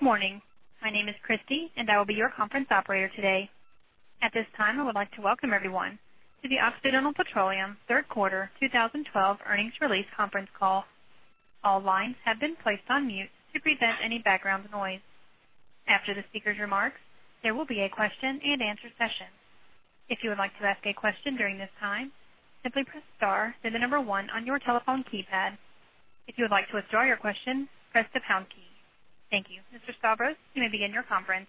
Good morning. My name is Christy. I will be your conference operator today. At this time, I would like to welcome everyone to the Occidental Petroleum third quarter 2012 earnings release conference call. All lines have been placed on mute to prevent any background noise. After the speaker's remarks, there will be a question and answer session. If you would like to ask a question during this time, simply press star, then the 1 on your telephone keypad. If you would like to withdraw your question, press the pound key. Thank you. Mr. Stavros, you may begin your conference.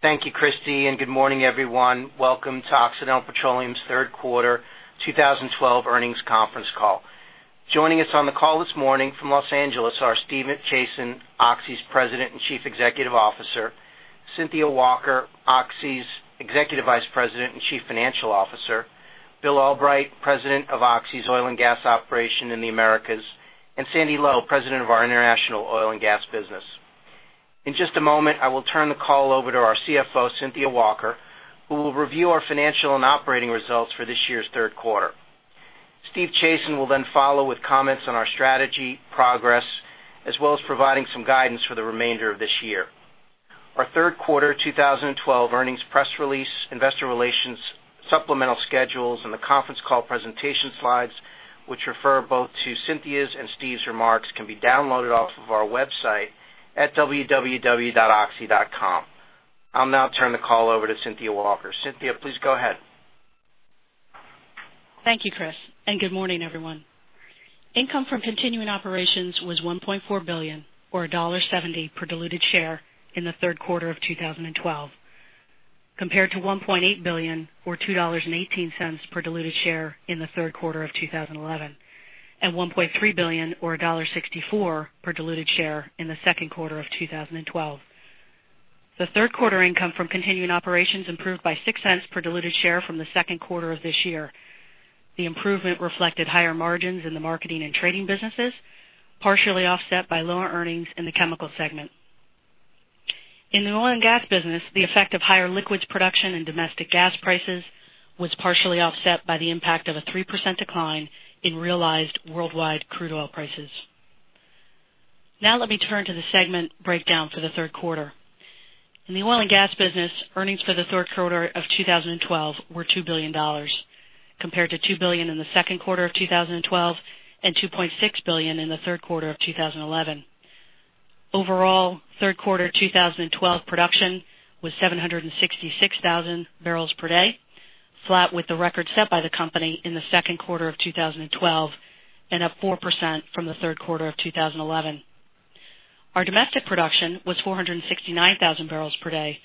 Thank you, Christy. Good morning, everyone. Welcome to Occidental Petroleum's third quarter 2012 earnings conference call. Joining us on the call this morning from L.A. are Stephen Chazen, Oxy's President and Chief Executive Officer, Cynthia Walker, Oxy's Executive Vice President and Chief Financial Officer, William Albrecht, President of Oxy's Oil and Gas Operation in the Americas, and Sandy Lowe, President of our International Oil and Gas business. In just a moment, I will turn the call over to our CFO, Cynthia Walker, who will review our financial and operating results for this year's third quarter. Stephen Chazen will follow with comments on our strategy, progress, as well as providing some guidance for the remainder of this year. Our third quarter 2012 earnings press release, investor relations supplemental schedules, and the conference call presentation slides, which refer both to Cynthia's and Steve's remarks, can be downloaded off of our website at www.oxy.com. I'll now turn the call over to Cynthia Walker. Cynthia, please go ahead. Thank you, Chris. Good morning, everyone. Income from continuing operations was $1.4 billion, or $1.70 per diluted share in the third quarter of 2012, compared to $1.8 billion or $2.18 per diluted share in the third quarter of 2011, and $1.3 billion or $1.64 per diluted share in the second quarter of 2012. The third quarter income from continuing operations improved by $0.06 per diluted share from the second quarter of this year. The improvement reflected higher margins in the marketing and trading businesses, partially offset by lower earnings in the chemical segment. In the oil and gas business, the effect of higher liquids production and domestic gas prices was partially offset by the impact of a 3% decline in realized worldwide crude oil prices. Let me turn to the segment breakdown for the third quarter. In the oil and gas business, earnings for the third quarter of 2012 were $2 billion, compared to $2 billion in the second quarter of 2012 and $2.6 billion in the third quarter of 2011. Overall, third quarter 2012 production was 766,000 barrels per day, flat with the record set by the company in the second quarter of 2012 and up 4% from the third quarter of 2011. Our domestic production was 469,000 barrels per day,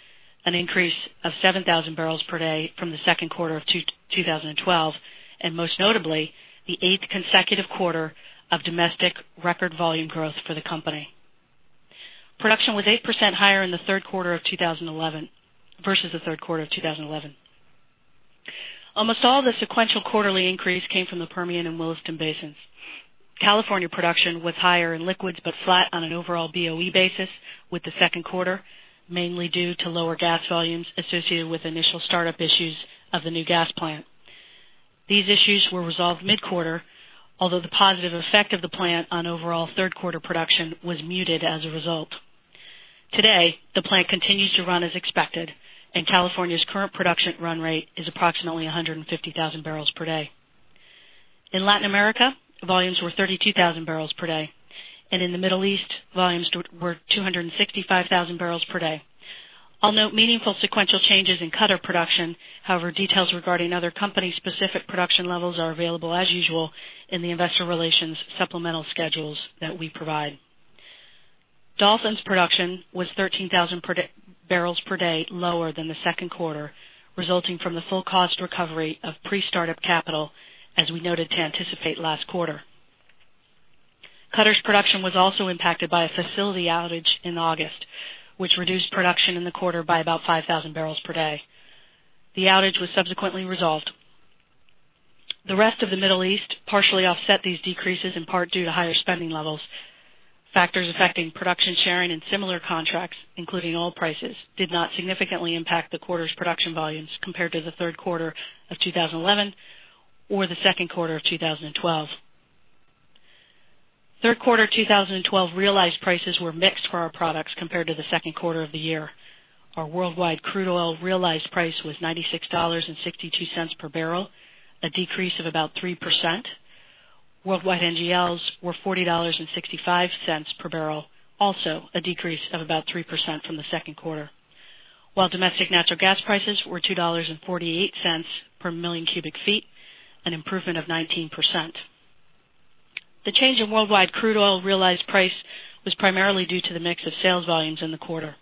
an increase of 7,000 barrels per day from the second quarter of 2012, and most notably, the eighth consecutive quarter of domestic record volume growth for the company. Production was 8% higher versus the third quarter of 2011. Almost all the sequential quarterly increase came from the Permian and Williston Basins. California production was higher in liquids, but flat on an overall BOE basis with the second quarter, mainly due to lower gas volumes associated with initial startup issues of the new gas plant. These issues were resolved mid-quarter, although the positive effect of the plant on overall third-quarter production was muted as a result. Today, the plant continues to run as expected, and California's current production run rate is approximately 150,000 barrels per day. In Latin America, volumes were 32,000 barrels per day. In the Middle East, volumes were 265,000 barrels per day. I'll note meaningful sequential changes in Qatar production. However, details regarding other company-specific production levels are available as usual in the investor relations supplemental schedules that we provide. Dolphin's production was 13,000 barrels per day lower than the second quarter, resulting from the full cost recovery of pre-startup capital, as we noted to anticipate last quarter. Qatar's production was also impacted by a facility outage in August, which reduced production in the quarter by about 5,000 barrels per day. The outage was subsequently resolved. The rest of the Middle East partially offset these decreases, in part due to higher spending levels. Factors affecting production sharing and similar contracts, including oil prices, did not significantly impact the quarter's production volumes compared to the third quarter of 2011 or the second quarter of 2012. Third quarter 2012 realized prices were mixed for our products compared to the second quarter of the year. Our worldwide crude oil realized price was $96.62 per barrel, a decrease of about 3%. Worldwide NGLs were $40.65 per barrel, also a decrease of about 3% from the second quarter. While domestic natural gas prices were $2.48 per million cubic feet, an improvement of 19%. The change in worldwide crude oil realized price was primarily due to the mix of sales volumes in the quarter.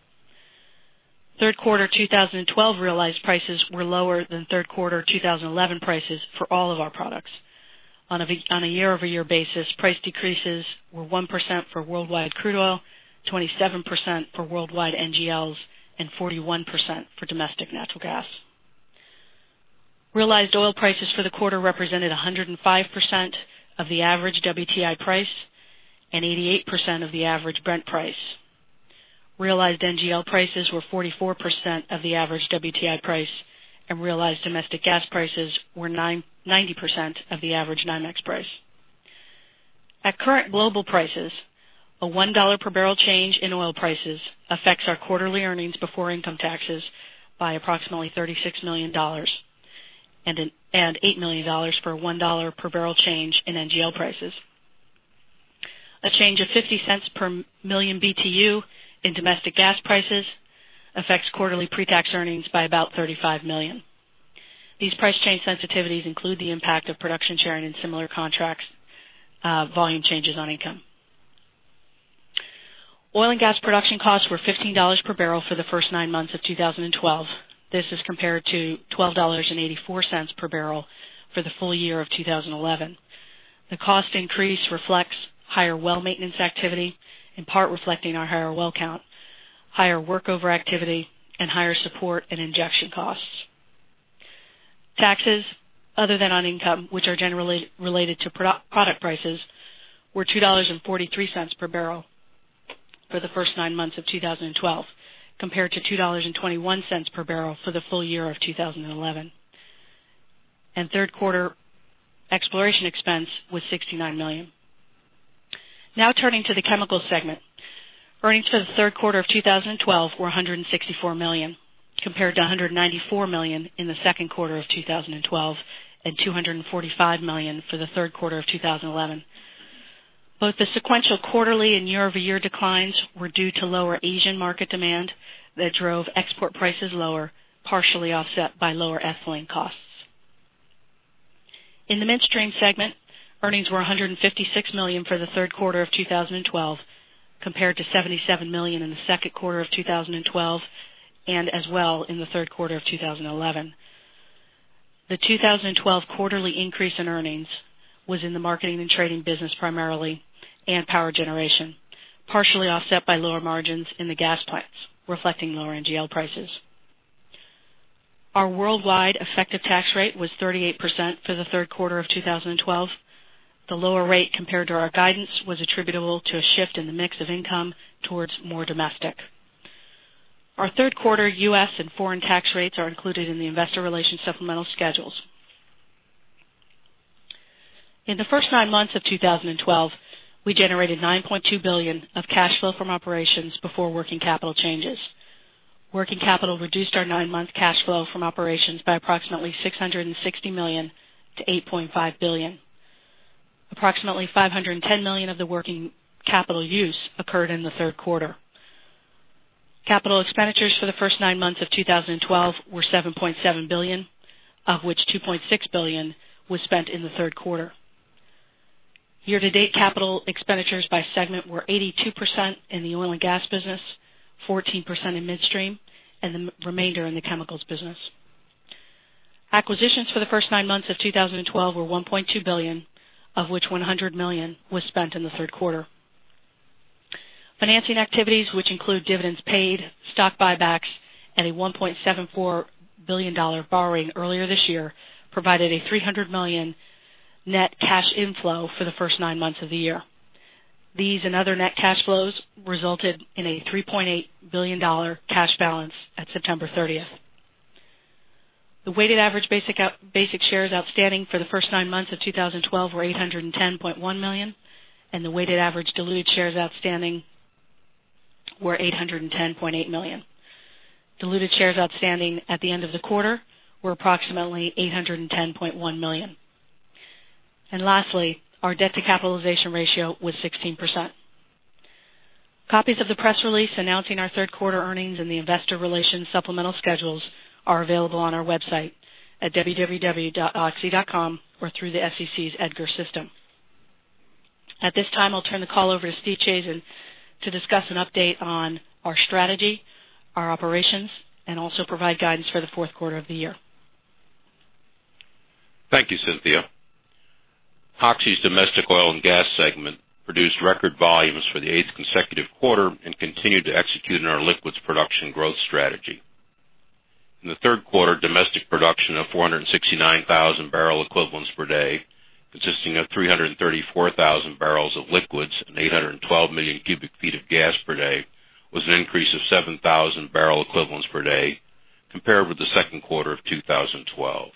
Third quarter 2012 realized prices were lower than third quarter 2011 prices for all of our products. On a year-over-year basis, price decreases were 1% for worldwide crude oil, 27% for worldwide NGLs, and 41% for domestic natural gas. Realized oil prices for the quarter represented 105% of the average WTI price and 88% of the average Brent price. Realized NGL prices were 44% of the average WTI price, and realized domestic gas prices were 90% of the average NYMEX price. At current global prices, a $1 per barrel change in oil prices affects our quarterly earnings before income taxes by approximately $36 million and $8 million for a $1 per barrel change in NGL prices. A change of $0.50 per million BTU in domestic gas prices affects quarterly pre-tax earnings by about $35 million. These price change sensitivities include the impact of production sharing and similar contracts, volume changes on income. Oil and gas production costs were $15 per barrel for the first nine months of 2012. This is compared to $12.84 per barrel for the full year of 2011. The cost increase reflects higher well maintenance activity, in part reflecting our higher well count, higher workover activity, and higher support and injection costs. Taxes other than on income, which are generally related to product prices, were $2.43 per barrel for the first nine months of 2012, compared to $2.21 per barrel for the full year of 2011. Third quarter exploration expense was $69 million. Now turning to the chemicals segment. Earnings for the third quarter of 2012 were $164 million, compared to $194 million in the second quarter of 2012 and $245 million for the third quarter of 2011. Both the sequential quarterly and year-over-year declines were due to lower Asian market demand that drove export prices lower, partially offset by lower ethylene costs. In the midstream segment, earnings were $156 million for the third quarter of 2012, compared to $77 million in the second quarter of 2012, and as well in the third quarter of 2011. The 2012 quarterly increase in earnings was in the marketing and trading business primarily, and power generation, partially offset by lower margins in the gas plants, reflecting lower NGL prices. Our worldwide effective tax rate was 38% for the third quarter of 2012. The lower rate compared to our guidance was attributable to a shift in the mix of income towards more domestic. Our third quarter U.S. and foreign tax rates are included in the investor relations supplemental schedules. In the first nine months of 2012, we generated $9.2 billion of cash flow from operations before working capital changes. Working capital reduced our nine-month cash flow from operations by approximately $660 million to $8.5 billion. Approximately $510 million of the working capital use occurred in the third quarter. Capital expenditures for the first nine months of 2012 were $7.7 billion, of which $2.6 billion was spent in the third quarter. Year-to-date capital expenditures by segment were 82% in the oil and gas business, 14% in midstream, and the remainder in the chemicals business. Acquisitions for the first nine months of 2012 were $1.2 billion, of which $100 million was spent in the third quarter. Financing activities, which include dividends paid, stock buybacks, and a $1.74 billion borrowing earlier this year, provided a $300 million net cash inflow for the first nine months of the year. These and other net cash flows resulted in a $3.8 billion cash balance at September 30th. The weighted average basic shares outstanding for the first nine months of 2012 were 810.1 million, and the weighted average diluted shares outstanding were 810.8 million. Diluted shares outstanding at the end of the quarter were approximately 810.1 million. Lastly, our debt-to-capitalization ratio was 16%. Copies of the press release announcing our third quarter earnings and the investor relations supplemental schedules are available on our website at www.oxy.com or through the SEC's EDGAR system. At this time, I'll turn the call over to Steve Chazen to discuss an update on our strategy, our operations, and also provide guidance for the fourth quarter of the year. Thank you, Cynthia. Oxy's domestic oil and gas segment produced record volumes for the eighth consecutive quarter and continued to execute on our liquids production growth strategy. In the third quarter, domestic production of 469,000 barrel equivalents per day, consisting of 334,000 barrels of liquids and 812 million cubic feet of gas per day, was an increase of 7,000 barrel equivalents per day compared with the second quarter of 2012.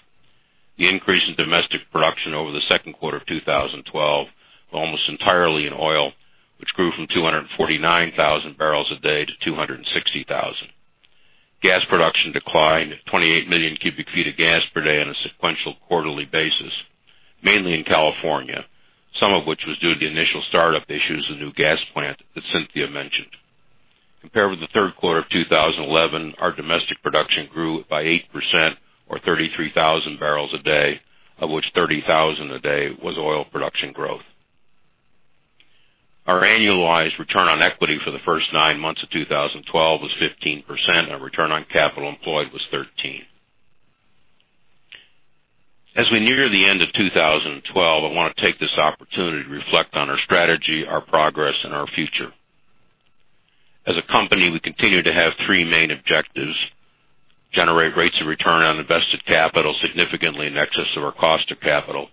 The increase in domestic production over the second quarter of 2012 was almost entirely in oil, which grew from 249,000 barrels a day to 260,000. Gas production declined at 28 million cubic feet of gas per day on a sequential quarterly basis, mainly in California, some of which was due to the initial startup issues of the new gas plant that Cynthia mentioned. Compared with the third quarter of 2011, our domestic production grew by 8% or 33,000 barrels a day, of which 30,000 a day was oil production growth. Our annualized return on equity for the first nine months of 2012 was 15%, and return on capital employed was 13%. As we near the end of 2012, I want to take this opportunity to reflect on our strategy, our progress, and our future. As a company, we continue to have three main objectives: generate rates of return on invested capital significantly in excess of our cost of capital,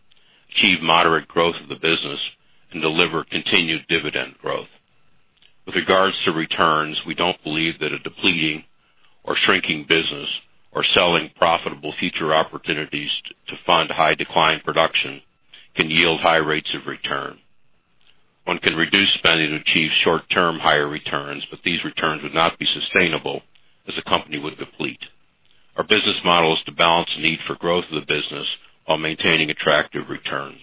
achieve moderate growth of the business, and deliver continued dividend growth. With regards to returns, we don't believe that a depleting or shrinking business or selling profitable future opportunities to fund high declined production can yield high rates of return. One can reduce spending to achieve short-term higher returns. These returns would not be sustainable as the company would deplete. Our business model is to balance the need for growth of the business while maintaining attractive returns.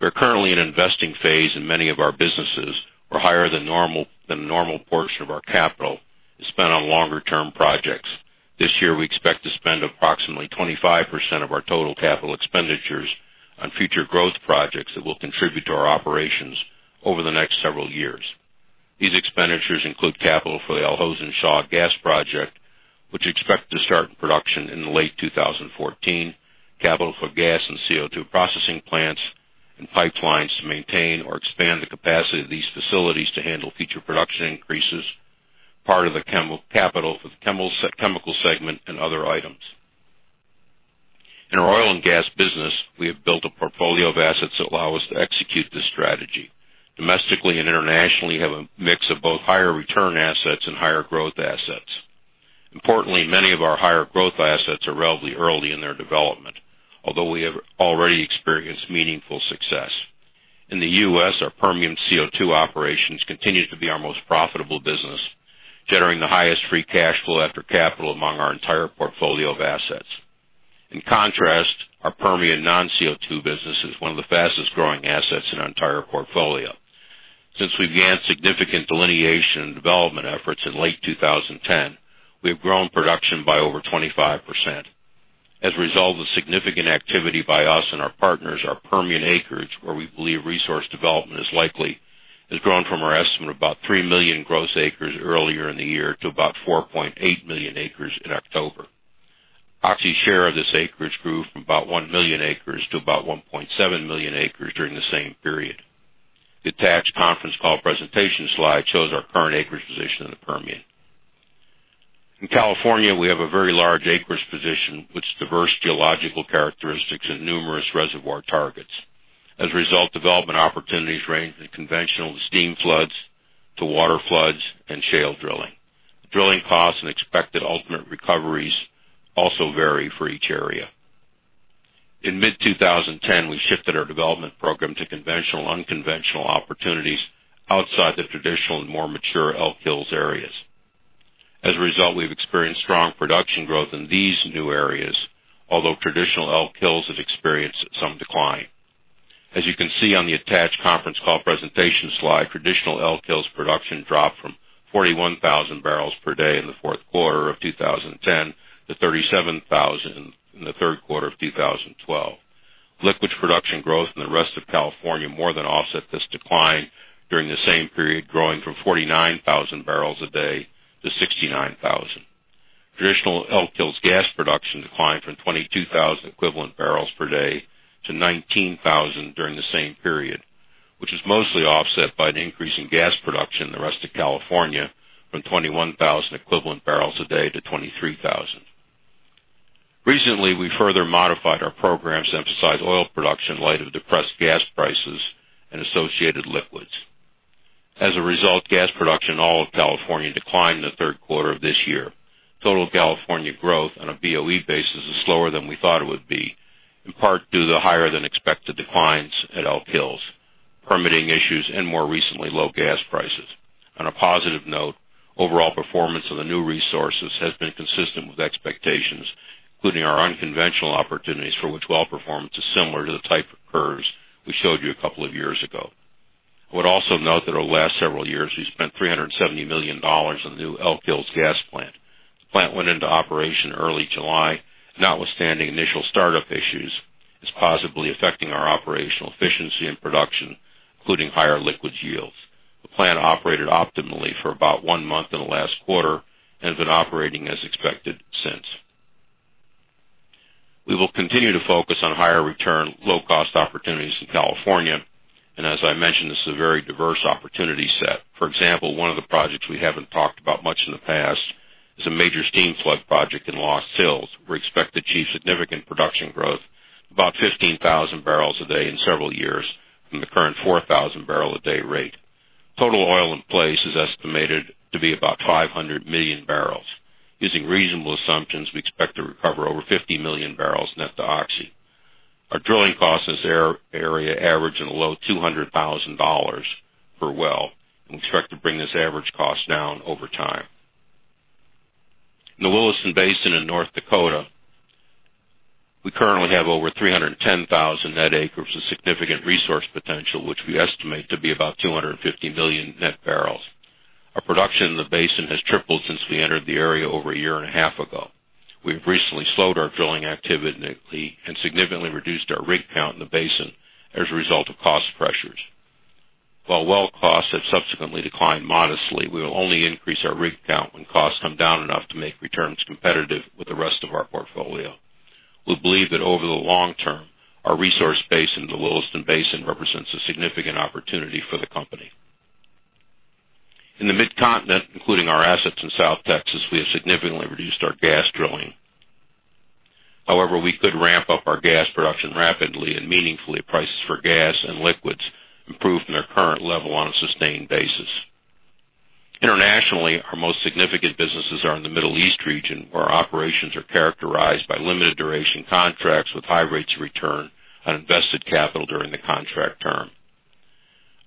We're currently in an investing phase in many of our businesses, where higher than normal portion of our capital is spent on longer-term projects. This year, we expect to spend approximately 25% of our total capital expenditures on future growth projects that will contribute to our operations over the next several years. These expenditures include capital for the Al Hosn Shah gas project, which expect to start production in late 2014, capital for gas and CO2 processing plants and pipelines to maintain or expand the capacity of these facilities to handle future production increases, part of the capital for the chemical segment and other items. In our oil and gas business, we have built a portfolio of assets that allow us to execute this strategy. Domestically and internationally, we have a mix of both higher return assets and higher growth assets. Importantly, many of our higher growth assets are relatively early in their development, although we have already experienced meaningful success. In the U.S., our Permian CO2 operations continue to be our most profitable business, generating the highest free cash flow after capital among our entire portfolio of assets. In contrast, our Permian non-CO2 business is one of the fastest-growing assets in our entire portfolio. Since we began significant delineation and development efforts in late 2010, we have grown production by over 25%. As a result of significant activity by us and our partners, our Permian acreage, where we believe resource development is likely, has grown from our estimate of about 3 million gross acres earlier in the year to about 4.8 million acres in October. Oxy's share of this acreage grew from about 1 million acres to about 1.7 million acres during the same period. The attached conference call presentation slide shows our current acreage position in the Permian. In California, we have a very large acreage position with diverse geological characteristics and numerous reservoir targets. As a result, development opportunities range from conventional steam floods to water floods and shale drilling. Drilling costs and expected ultimate recoveries also vary for each area. In mid-2010, we shifted our development program to conventional/unconventional opportunities outside the traditional and more mature Elk Hills areas. As a result, we've experienced strong production growth in these new areas, although traditional Elk Hills has experienced some decline. As you can see on the attached conference call presentation slide, traditional Elk Hills production dropped from 41,000 barrels per day in the fourth quarter of 2010 to 37,000 in the third quarter of 2012. Liquids production growth in the rest of California more than offset this decline during the same period, growing from 49,000 barrels a day to 69,000. Traditional Elk Hills gas production declined from 22,000 equivalent barrels per day to 19,000 during the same period, which is mostly offset by an increase in gas production in the rest of California from 21,000 equivalent barrels a day to 23,000. Recently, we further modified our programs to emphasize oil production in light of depressed gas prices and associated liquids. As a result, gas production in all of California declined in the third quarter of this year. Total California growth on a BOE basis is slower than we thought it would be, in part due to the higher-than-expected declines at Elk Hills, permitting issues, and more recently, low gas prices. On a positive note, overall performance of the new resources has been consistent with expectations, including our unconventional opportunities, for which well performance is similar to the type of curves we showed you a couple of years ago. I would also note that over the last several years, we spent $370 million on the new Elk Hills gas plant. The plant went into operation early July, and notwithstanding initial startup issues, it's positively affecting our operational efficiency and production, including higher liquids yields. The plant operated optimally for about one month in the last quarter and has been operating as expected since. We will continue to focus on higher return, low-cost opportunities in California, and as I mentioned, this is a very diverse opportunity set. For example, one of the projects we haven't talked about much in the past is a major steam flood project in Lost Hills. We expect to achieve significant production growth, about 15,000 barrels a day in several years from the current 4,000 barrel a day rate. Total oil in place is estimated to be about 500 million barrels. Using reasonable assumptions, we expect to recover over 50 million barrels net to Oxy. Our drilling costs in this area average in the low $200,000 per well, and we expect to bring this average cost down over time. In the Williston Basin in North Dakota, we currently have over 310,000 net acres of significant resource potential, which we estimate to be about 250 million net barrels. Our production in the basin has tripled since we entered the area over a year and a half ago. We have recently slowed our drilling activity and significantly reduced our rig count in the basin as a result of cost pressures. While well costs have subsequently declined modestly, we will only increase our rig count when costs come down enough to make returns competitive with the rest of our portfolio. We believe that over the long term, our resource base in the Williston Basin represents a significant opportunity for the company. In the Mid-Continent, including our assets in South Texas, we have significantly reduced our gas drilling. However, we could ramp up our gas production rapidly and meaningfully if prices for gas and liquids improve from their current level on a sustained basis. Internationally, our most significant businesses are in the Middle East region, where our operations are characterized by limited duration contracts with high rates of return on invested capital during the contract term.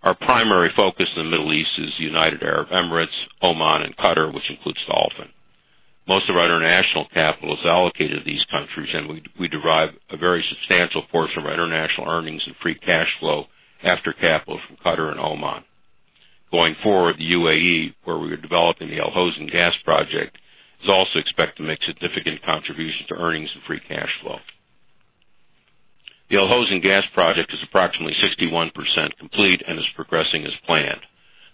Our primary focus in the Middle East is the United Arab Emirates, Oman, and Qatar, which includes Dolphin. Most of our international capital is allocated to these countries, and we derive a very substantial portion of our international earnings and free cash flow after capital from Qatar and Oman. Going forward, the UAE, where we are developing the Al Hosn gas project, is also expected to make significant contributions to earnings and free cash flow. The Al Hosn gas project is approximately 61% complete and is progressing as planned.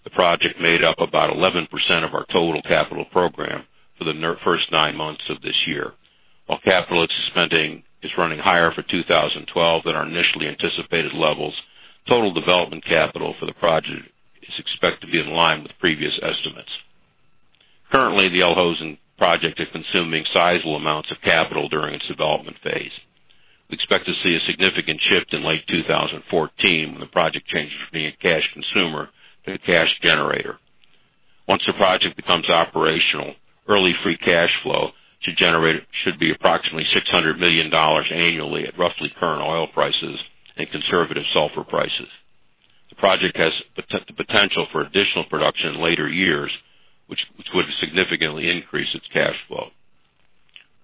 The project made up about 11% of our total capital program for the first nine months of this year. While capital spending is running higher for 2012 than our initially anticipated levels, total development capital for the project is expected to be in line with previous estimates. Currently, the Al Hosn project is consuming sizable amounts of capital during its development phase. We expect to see a significant shift in late 2014 when the project changes from being a cash consumer to a cash generator. Once the project becomes operational, early free cash flow should be approximately $600 million annually at roughly current oil prices and conservative sulfur prices. The project has the potential for additional production in later years, which would significantly increase its cash flow.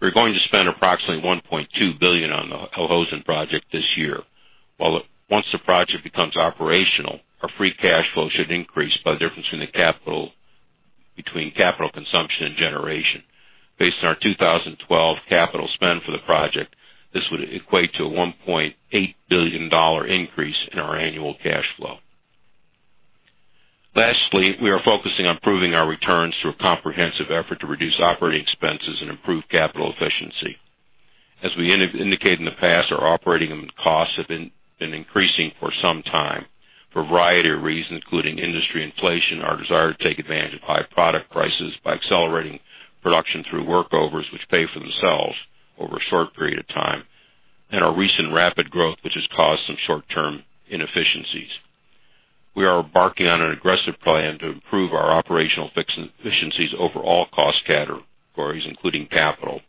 We're going to spend approximately $1.2 billion on the Al Hosn project this year. Once the project becomes operational, our free cash flow should increase by the difference between capital consumption and generation. Based on our 2012 capital spend for the project, this would equate to a $1.8 billion increase in our annual cash flow. Lastly, we are focusing on improving our returns through a comprehensive effort to reduce operating expenses and improve capital efficiency. As we indicated in the past, our operating costs have been increasing for some time for a variety of reasons, including industry inflation, our desire to take advantage of high product prices by accelerating production through workovers which pay for themselves over a short period of time, and our recent rapid growth, which has caused some short-term inefficiencies. We are embarking on an aggressive plan to improve our operational efficiencies over all cost categories, including capital,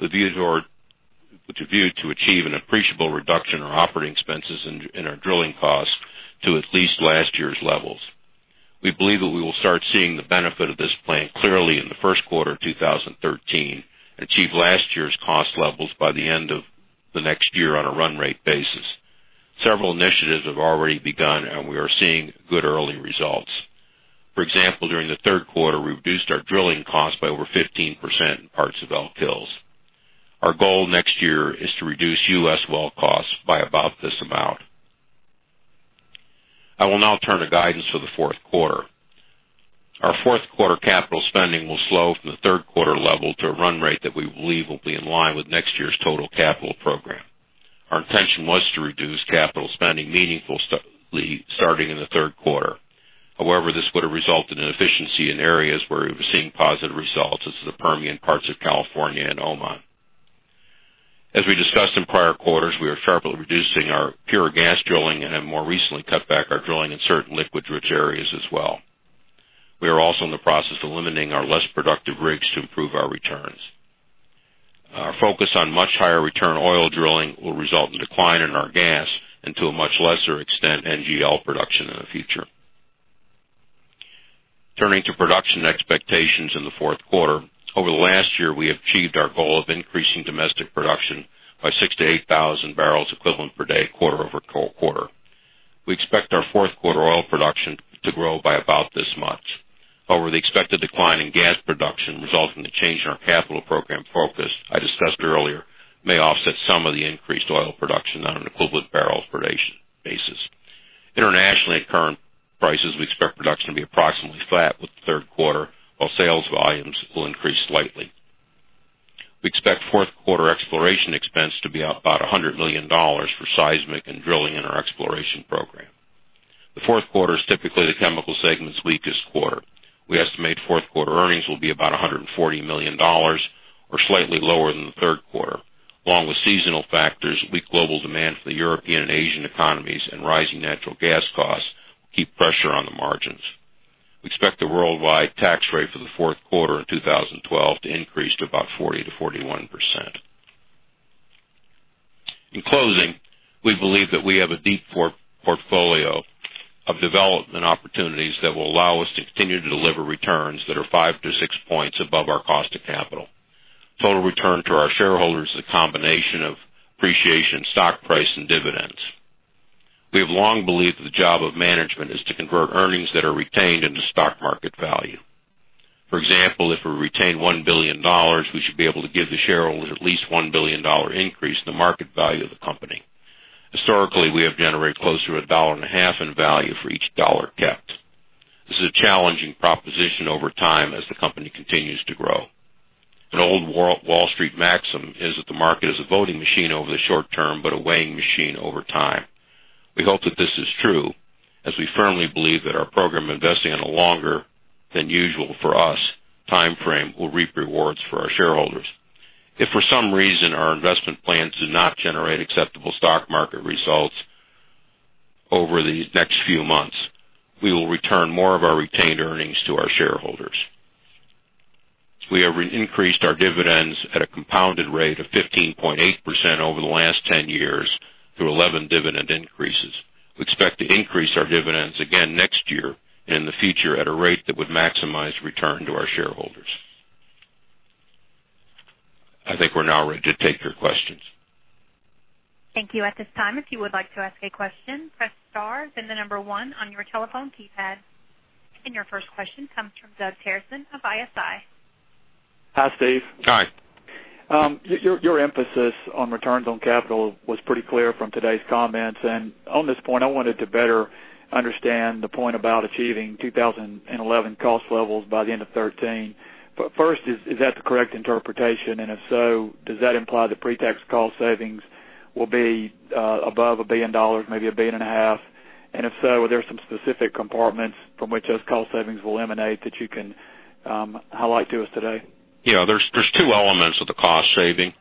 with a view to achieve an appreciable reduction in our operating expenses and in our drilling costs to at least last year's levels. We believe that we will start seeing the benefit of this plan clearly in the first quarter of 2013 and achieve last year's cost levels by the end of the next year on a run rate basis. Several initiatives have already begun, and we are seeing good early results. For example, during the third quarter, we reduced our drilling costs by over 15% in parts of the Elk Hills. Our goal next year is to reduce US well costs by about this amount. I will now turn to guidance for the fourth quarter. Our fourth quarter capital spending will slow from the third quarter level to a run rate that we believe will be in line with next year's total capital program. Our intention was to reduce capital spending meaningfully starting in the third quarter. However, this would have resulted in efficiency in areas where we were seeing positive results, as in the Permian parts of California and Oman. As we discussed in prior quarters, we are sharply reducing our pure gas drilling and have more recently cut back our drilling in certain liquid-rich areas as well. We are also in the process of limiting our less productive rigs to improve our returns. Our focus on much higher return oil drilling will result in a decline in our gas, and to a much lesser extent, NGL production in the future. Turning to production expectations in the fourth quarter. Over the last year, we have achieved our goal of increasing domestic production by 68,000 barrels equivalent per day, quarter-over-quarter. We expect our fourth quarter oil production to grow by about this much. However, the expected decline in gas production resulting from the change in our capital program focus I discussed earlier may offset some of the increased oil production on an equivalent barrels per day basis. Internationally, at current prices, we expect production to be approximately flat with the third quarter, while sales volumes will increase slightly. We expect fourth quarter exploration expense to be about $100 million for seismic and drilling in our exploration program. The fourth quarter is typically the chemical segment's weakest quarter. We estimate fourth quarter earnings will be about $140 million or slightly lower than the third quarter. Along with seasonal factors, weak global demand for the European and Asian economies and rising natural gas costs keep pressure on the margins. We expect the worldwide tax rate for the fourth quarter in 2012 to increase to about 40%-41%. In closing, we believe that we have a deep portfolio of development opportunities that will allow us to continue to deliver returns that are five to six points above our cost of capital. Total return to our shareholders is a combination of appreciation in stock price and dividends. We have long believed that the job of management is to convert earnings that are retained into stock market value. For example, if we retain $1 billion, we should be able to give the shareholders at least a $1 billion increase in the market value of the company. Historically, we have generated closer to $1.50 in value for each $1 kept. This is a challenging proposition over time as the company continues to grow. An old Wall Street maxim is that the market is a voting machine over the short term, but a weighing machine over time. We hope that this is true, as we firmly believe that our program investing in a longer than usual for us timeframe will reap rewards for our shareholders. If for some reason our investment plans do not generate acceptable stock market results over these next few months, we will return more of our retained earnings to our shareholders. We have increased our dividends at a compounded rate of 15.8% over the last 10 years through 11 dividend increases. We expect to increase our dividends again next year and in the future at a rate that would maximize return to our shareholders. I think we're now ready to take your questions. Thank you. At this time, if you would like to ask a question, press star, then the number one on your telephone keypad. Your first question comes from Doug Terreson of ISI. Hi, Steve. Hi. On this point, I wanted to better understand the point about achieving 2011 cost levels by the end of 2013. First, is that the correct interpretation? If so, does that imply the pre-tax cost savings will be above $1 billion, maybe $1.5 billion? If so, are there some specific compartments from which those cost savings will emanate that you can highlight to us today? Yeah. There's two elements of the cost saving.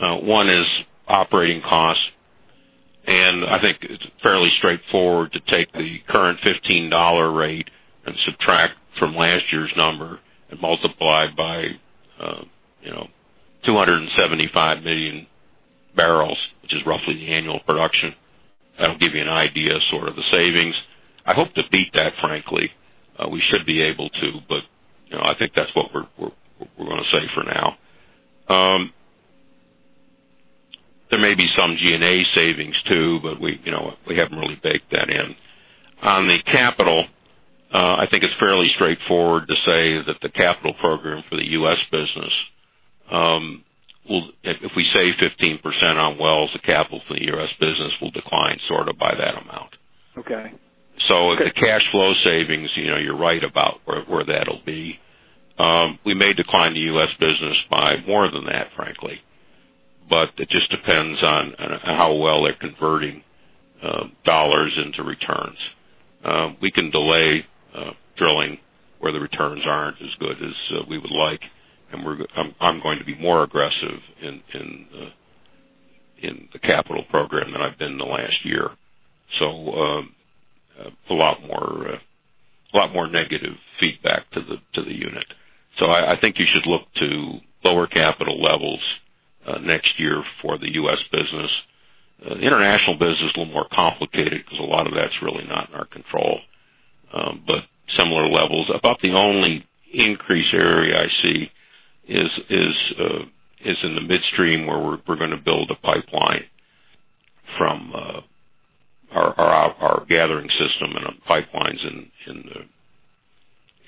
One is operating costs, and I think it's fairly straightforward to take the current $15 rate and subtract from last year's number and multiply by 275 million barrels, which is roughly the annual production. That'll give you an idea, sort of the savings. I hope to beat that, frankly. We should be able to, but I think that's what we're going to say for now. There may be some G&A savings, too, but we haven't really baked that in. On the capital, I think it's fairly straightforward to say that the capital program for the U.S. business, if we save 15% on wells, the capital for the U.S. business will decline sort of by that amount. Okay. The cash flow savings, you're right about where that'll be. We may decline the U.S. business by more than that, frankly, but it just depends on how well they're converting dollars into returns. We can delay drilling where the returns aren't as good as we would like, and I'm going to be more aggressive in the capital program than I've been in the last year. A lot more negative feedback to the unit. I think you should look to lower capital levels next year for the U.S. business. The international business is a little more complicated because a lot of that's really not in our control. Similar levels. About the only increase area I see is in the midstream where we're going to build a pipeline from our gathering system and pipelines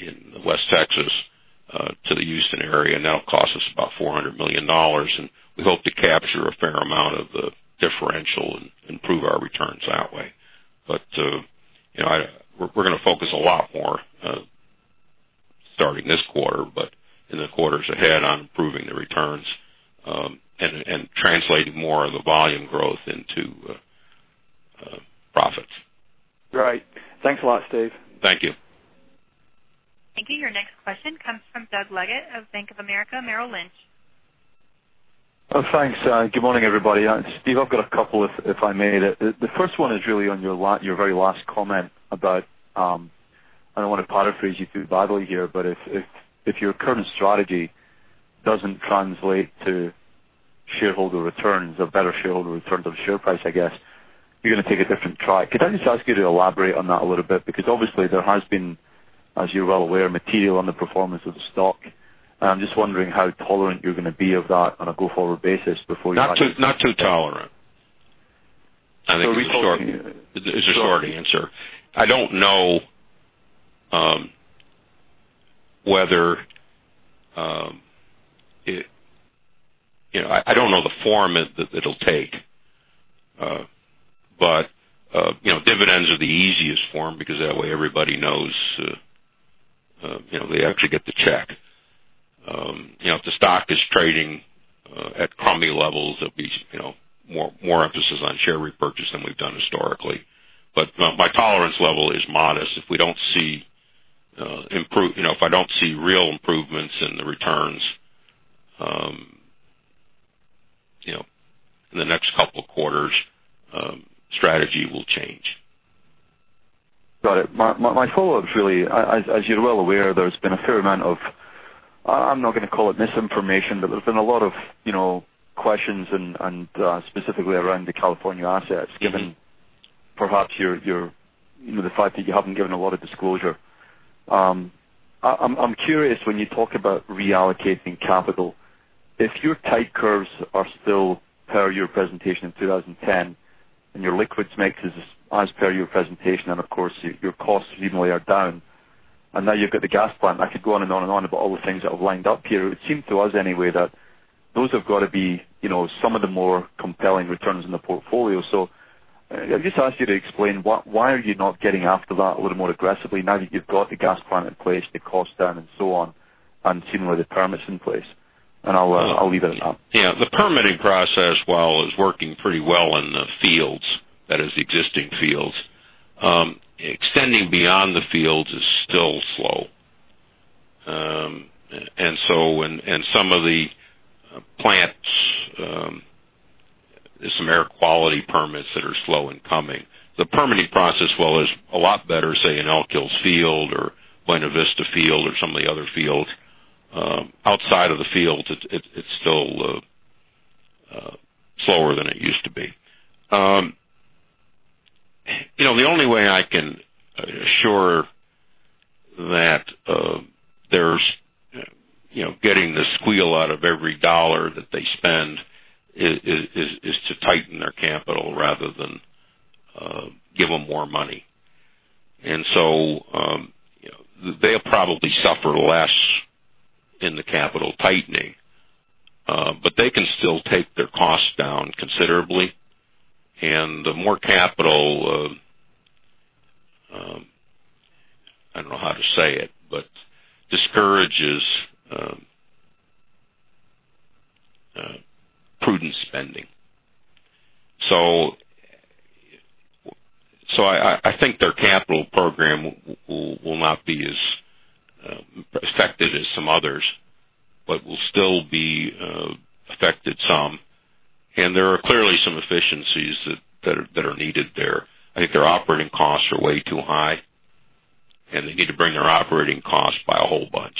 in West Texas to the Houston area. That'll cost us about $400 million. We hope to capture a fair amount of the differential and improve our returns that way. We're going to focus a lot more, starting this quarter, but in the quarters ahead, on improving the returns, and translating more of the volume growth into profits. Right. Thanks a lot, Steve. Thank you. Thank you. Your next question comes from Doug Leggate of Bank of America Merrill Lynch. Oh, thanks. Good morning, everybody. Steve, I've got a couple, if I may. The first one is really on your very last comment. I don't want to paraphrase you too badly here, but if your current strategy doesn't translate to shareholder returns or better shareholder returns on share price, I guess, you're going to take a different track. Could I just ask you to elaborate on that a little bit? Obviously there has been, as you're well aware, material on the performance of the stock. I'm just wondering how tolerant you're going to be of that on a go-forward basis before you. Not too tolerant. Are we talking Is the short answer. I don't know the form that it'll take. Dividends are the easiest form because that way everybody knows. They actually get the check. If the stock is trading at crummy levels, there'll be more emphasis on share repurchase than we've done historically. My tolerance level is modest. If I don't see real improvements in the returns in the next couple of quarters, strategy will change. Got it. My follow-up's really, as you're well aware, there's been a fair amount of, I'm not going to call it misinformation, but there's been a lot of questions and specifically around the California assets, given perhaps the fact that you haven't given a lot of disclosure. I'm curious when you talk about reallocating capital, if your type curves are still per your presentation in 2010 and your liquids mix is as per your presentation, and of course, your costs reasonably are down, and now you've got the gas plant. I could go on and on about all the things that have lined up here. It would seem to us anyway, that those have got to be some of the more compelling returns in the portfolio. I'll just ask you to explain why are you not getting after that a little more aggressively now that you've got the gas plant in place, the cost down, and so on, and seemingly the permits in place? I'll leave it at that. The permitting process, while is working pretty well in the fields, that is the existing fields, extending beyond the fields is still slow. Some of the plants, there's some air quality permits that are slow in coming. The permitting process, while is a lot better, say, in Elk Hills Field or Buena Vista Field or some of the other fields. Outside of the fields, it's still slower than it used to be. The only way I can assure that getting the squeal out of every dollar that they spend is to tighten their capital rather than give them more money. They'll probably suffer less in the capital tightening. They can still take their costs down considerably, and the more capital, I don't know how to say it, but discourages prudent spending. I think their capital program will not be as effective as some others, but will still be affected some. There are clearly some efficiencies that are needed there. I think their operating costs are way too high, and they need to bring their operating costs by a whole bunch.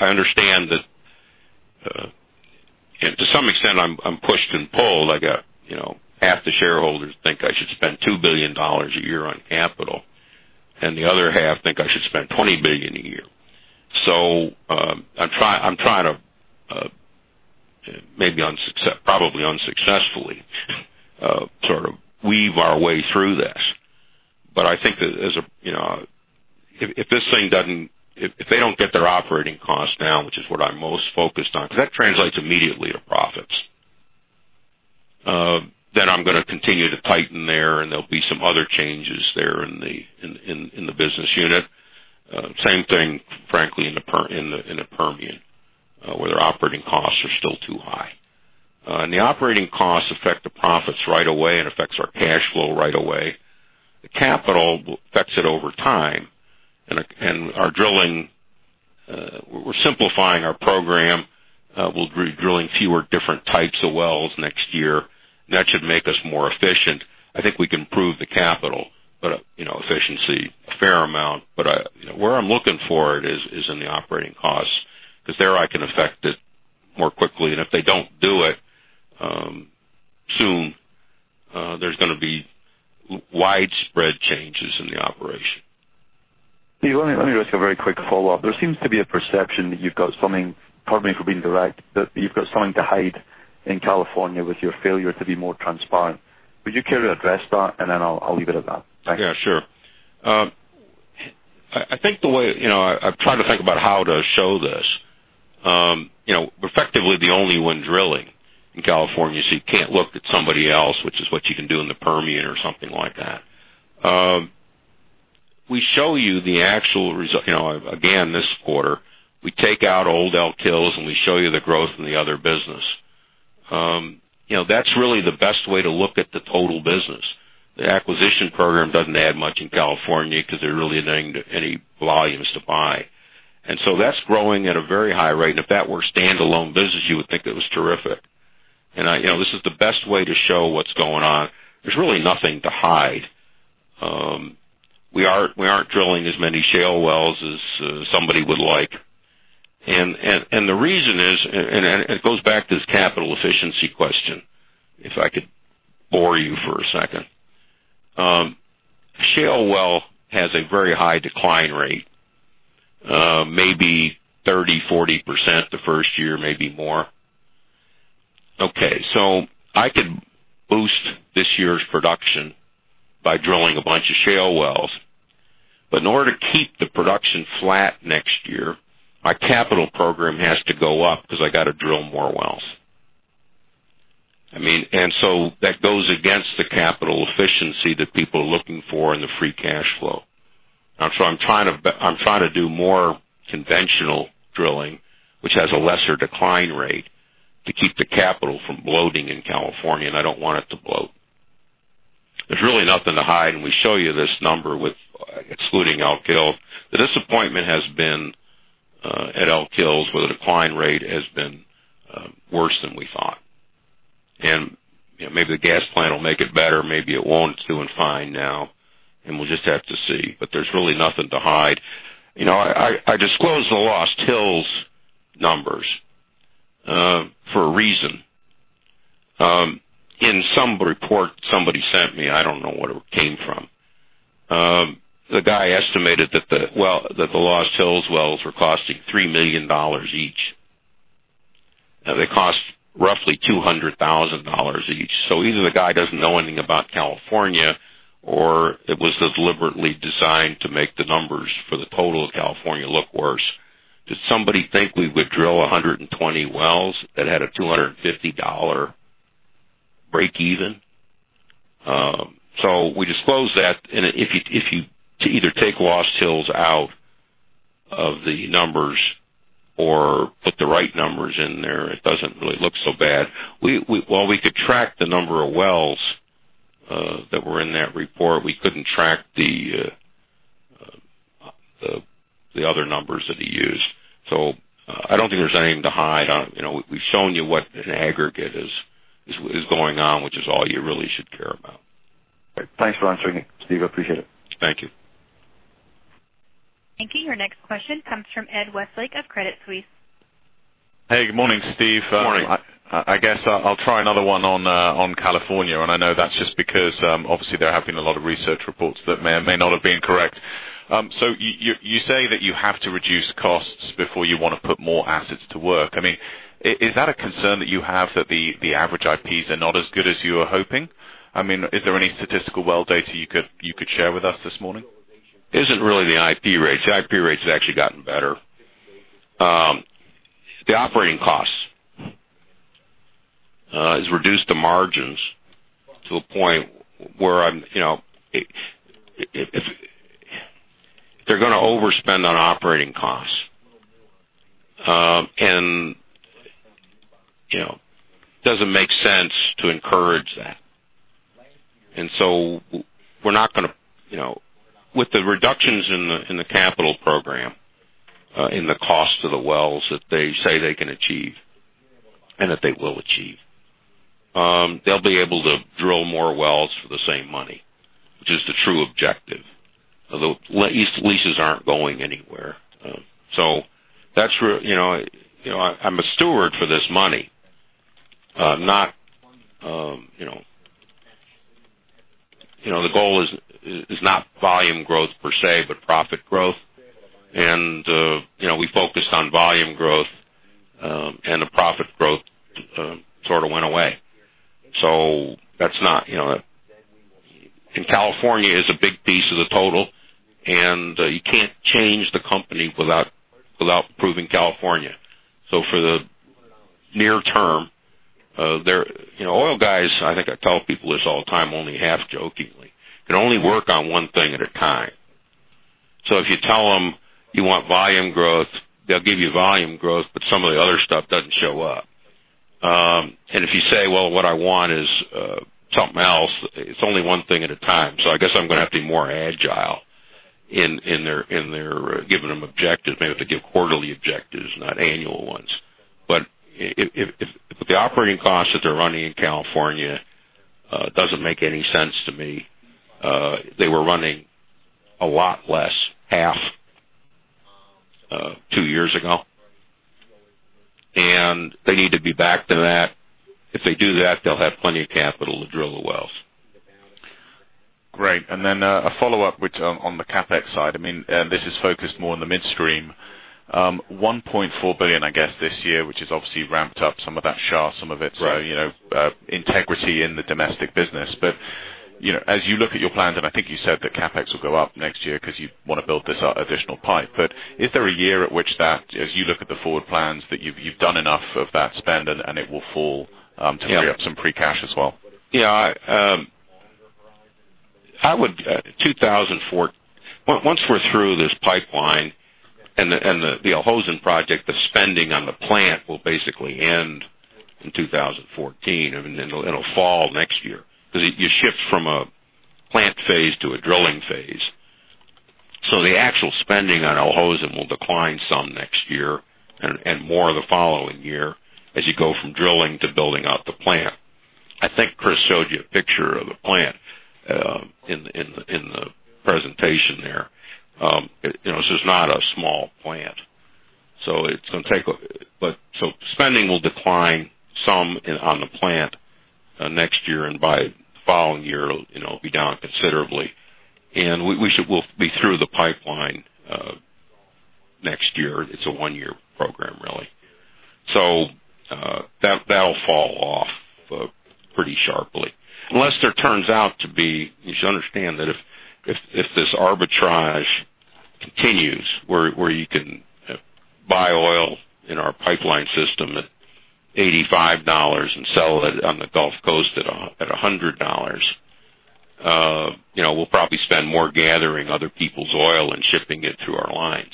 I understand that to some extent, I'm pushed and pulled. Half the shareholders think I should spend $2 billion a year on capital, and the other half think I should spend $20 billion a year. I'm trying to maybe, probably unsuccessfully, sort of weave our way through this. I think that if they don't get their operating costs down, which is what I'm most focused on, because that translates immediately to profits, then I'm going to continue to tighten there, and there'll be some other changes there in the business unit. Same thing, frankly, in the Permian, where their operating costs are still too high. The operating costs affect the profits right away and affects our cash flow right away. The capital affects it over time. Our drilling, we're simplifying our program. We'll be drilling fewer different types of wells next year. That should make us more efficient. I think we can prove the capital efficiency a fair amount. Where I'm looking for it is in the operating costs, because there I can affect it more quickly. If they don't do it soon, there's going to be widespread changes in the operation. Steve, let me ask you a very quick follow-up. There seems to be a perception that you've got something, pardon me for being direct, that you've got something to hide in California with your failure to be more transparent. Would you care to address that? Then I'll leave it at that. Thanks. Yeah, sure. I've tried to think about how to show this. We're effectively the only one drilling in California, so you can't look at somebody else, which is what you can do in the Permian or something like that. We show you the actual result, again, this quarter. We take out old Elk Hills, we show you the growth in the other business. That's really the best way to look at the total business. The acquisition program doesn't add much in California because there really aren't any volumes to buy. That's growing at a very high rate, and if that were a standalone business, you would think it was terrific. This is the best way to show what's going on. There's really nothing to hide. We aren't drilling as many shale wells as somebody would like. The reason is, and it goes back to this capital efficiency question, if I could bore you for a second. Shale well has a very high decline rate, maybe 30%, 40% the first year, maybe more. Okay. I could boost this year's production by drilling a bunch of shale wells. In order to keep the production flat next year, our capital program has to go up because I got to drill more wells. That goes against the capital efficiency that people are looking for in the free cash flow. I'm trying to do more conventional drilling, which has a lesser decline rate, to keep the capital from bloating in California, and I don't want it to bloat. There's really nothing to hide, we show you this number with excluding Elk Hills. The disappointment has been at Elk Hills, where the decline rate has been worse than we thought. Maybe the gas plant will make it better, maybe it won't. It's doing fine now, and we'll just have to see. There's really nothing to hide. I disclosed the Lost Hills numbers for a reason. In some report somebody sent me, I don't know where it came from, the guy estimated that the Lost Hills wells were costing $3 million each. They cost roughly $200,000 each. Either the guy doesn't know anything about California, or it was deliberately designed to make the numbers for the total of California look worse. Did somebody think we would drill 120 wells that had a $250- breakeven. We disclose that, and if you either take Lost Hills out of the numbers or put the right numbers in there, it doesn't really look so bad. While we could track the number of wells that were in that report, we couldn't track the other numbers that he used. I don't think there's anything to hide. We've shown you what an aggregate is going on, which is all you really should care about. Thanks for answering it, Steve. I appreciate it. Thank you. Thank you. Your next question comes from Edward Westlake of Credit Suisse. Hey, good morning, Steve. Morning. I guess I'll try another one on California, and I know that's just because obviously there have been a lot of research reports that may or may not have been correct. You say that you have to reduce costs before you want to put more assets to work. Is that a concern that you have that the average IPs are not as good as you were hoping? Is there any statistical well data you could share with us this morning? Isn't really the IP rates. The IP rates have actually gotten better. The operating cost has reduced the margins to a point where they're going to overspend on operating costs. It doesn't make sense to encourage that. With the reductions in the capital program, in the cost of the wells that they say they can achieve, and that they will achieve, they'll be able to drill more wells for the same money, which is the true objective. Although leases aren't going anywhere. I'm a steward for this money. The goal is not volume growth per se, but profit growth. We focused on volume growth, and the profit growth sort of went away. California is a big piece of the total, and you can't change the company without improving California. For the near term, oil guys, I think I tell people this all the time, only half-jokingly, can only work on one thing at a time. If you tell them you want volume growth, they'll give you volume growth, but some of the other stuff doesn't show up. If you say, well, what I want is something else, it's only one thing at a time. I guess I'm going to have to be more agile in giving them objectives. Maybe have to give quarterly objectives, not annual ones. The operating cost that they're running in California doesn't make any sense to me. They were running a lot less, half, two years ago. They need to be back to that. If they do that, they'll have plenty of capital to drill the wells. Great. Then a follow-up, which on the CapEx side, this is focused more on the midstream, $1.4 billion, I guess, this year, which is obviously ramped up some of that Shah, some of it. Right Integrity in the domestic business. As you look at your plans, I think you said that CapEx will go up next year because you want to build this additional pipe. Is there a year at which that, as you look at the forward plans, that you've done enough of that spend and it will fall. Yeah To free up some free cash as well? Yeah. Once we're through this pipeline and the Al Hosn project, the spending on the plant will basically end in 2014, and it'll fall next year. You shift from a plant phase to a drilling phase. The actual spending on Al Hosn will decline some next year and more the following year as you go from drilling to building out the plant. I think Chris showed you a picture of the plant in the presentation there. This is not a small plant. Spending will decline some on the plant next year, and by the following year, it'll be down considerably. We'll be through the pipeline next year. It's a one-year program, really. That'll fall off pretty sharply. You should understand that if this arbitrage continues, where you can buy oil in our pipeline system at $85 and sell it on the Gulf Coast at $100, we'll probably spend more gathering other people's oil and shipping it through our lines.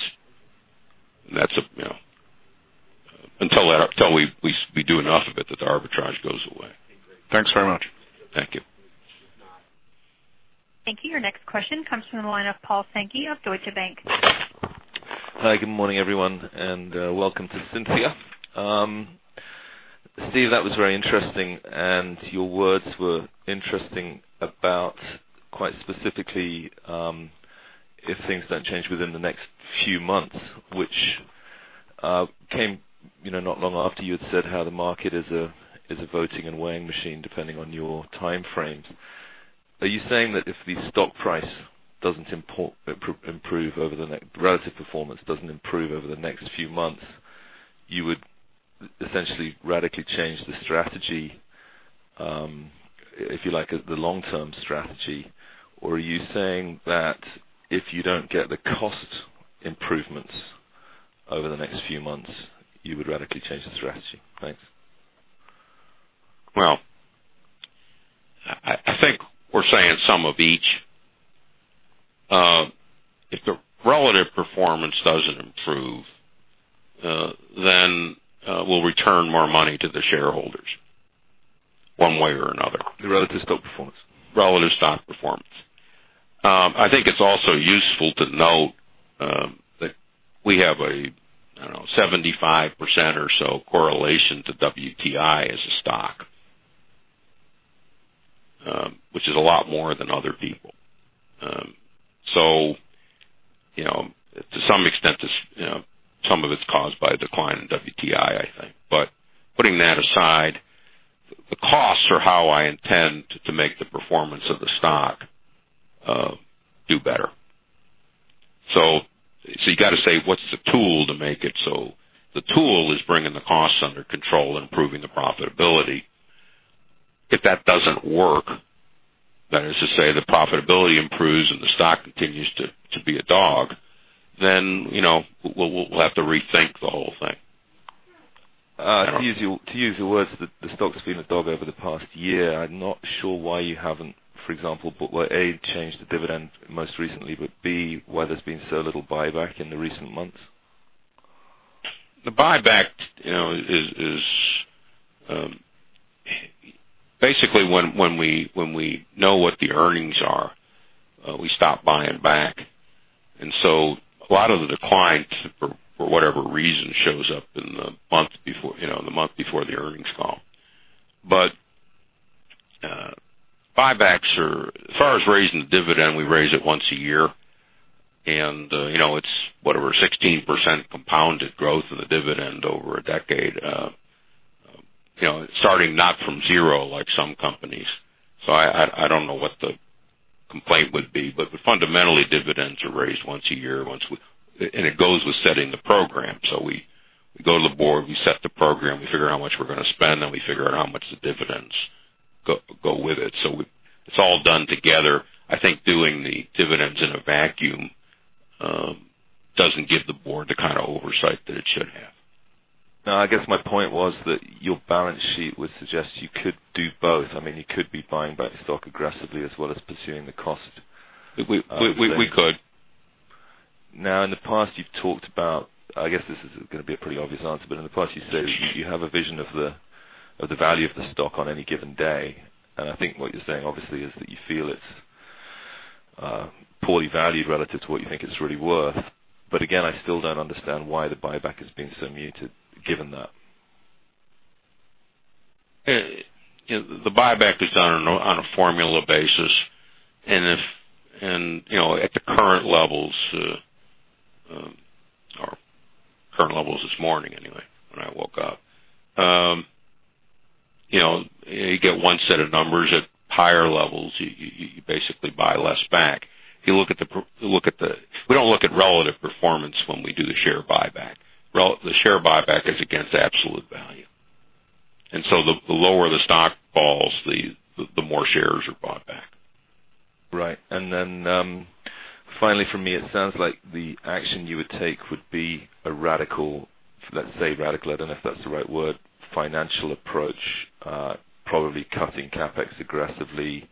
Until we do enough of it that the arbitrage goes away. Thanks very much. Thank you. Thank you. Your next question comes from the line of Paul Sankey of Deutsche Bank. Hi, good morning, everyone, and welcome to Cynthia. Steve, that was very interesting, and your words were interesting about, quite specifically, if things don't change within the next few months, which came not long after you had said how the market is a voting and weighing machine depending on your time frames. Are you saying that if the stock price doesn't improve, relative performance doesn't improve over the next few months, you would essentially radically change the strategy, if you like, the long-term strategy? Or are you saying that if you don't get the cost improvements over the next few months, you would radically change the strategy? Thanks. Well, I think we're saying some of each. If the relative performance doesn't improve, we'll return more money to the shareholders one way or another. The relative stock performance? Relative stock performance. I think it's also useful to note that we have a, I don't know, 75% or so correlation to WTI as a stock, which is a lot more than other people. To some extent, some of it's caused by a decline in WTI, I think. Putting that aside, the costs are how I intend to make the performance of the stock do better. You got to say, what's the tool to make it? The tool is bringing the costs under control and improving the profitability. If that doesn't work, that is to say, the profitability improves and the stock continues to be a dog, then we'll have to rethink the whole thing. To use your words, the stock has been a dog over the past year. I'm not sure why you haven't, for example, A, changed the dividend most recently, but B, why there's been so little buyback in the recent months. The buyback is basically when we know what the earnings are, we stop buying back. A lot of the declines, for whatever reason, shows up in the month before the earnings call. Buybacks as far as raising the dividend, we raise it once a year, and it's whatever, 16% compounded growth of the dividend over a decade, starting not from zero like some companies. I don't know what the complaint would be, but fundamentally, dividends are raised once a year, and it goes with setting the program. We go to the board, we set the program, we figure out how much we're going to spend, then we figure out how much the dividends go with it. It's all done together. I think doing the dividends in a vacuum doesn't give the board the kind of oversight that it should have. No, I guess my point was that your balance sheet would suggest you could do both. You could be buying back stock aggressively as well as pursuing the cost. We could. In the past, you've talked about, I guess this is going to be a pretty obvious answer, but in the past, you've said you have a vision of the value of the stock on any given day, and I think what you're saying, obviously, is that you feel it's poorly valued relative to what you think it's really worth. Again, I still don't understand why the buyback has been so muted, given that. The buyback is done on a formula basis, and at the current levels this morning anyway, when I woke up. You get one set of numbers. At higher levels, you basically buy less back. We don't look at relative performance when we do the share buyback. The share buyback is against absolute value. The lower the stock falls, the more shares are bought back. Right. Finally from me, it sounds like the action you would take would be a radical, let's say radical, I don't know if that's the right word, financial approach, probably cutting CapEx aggressively,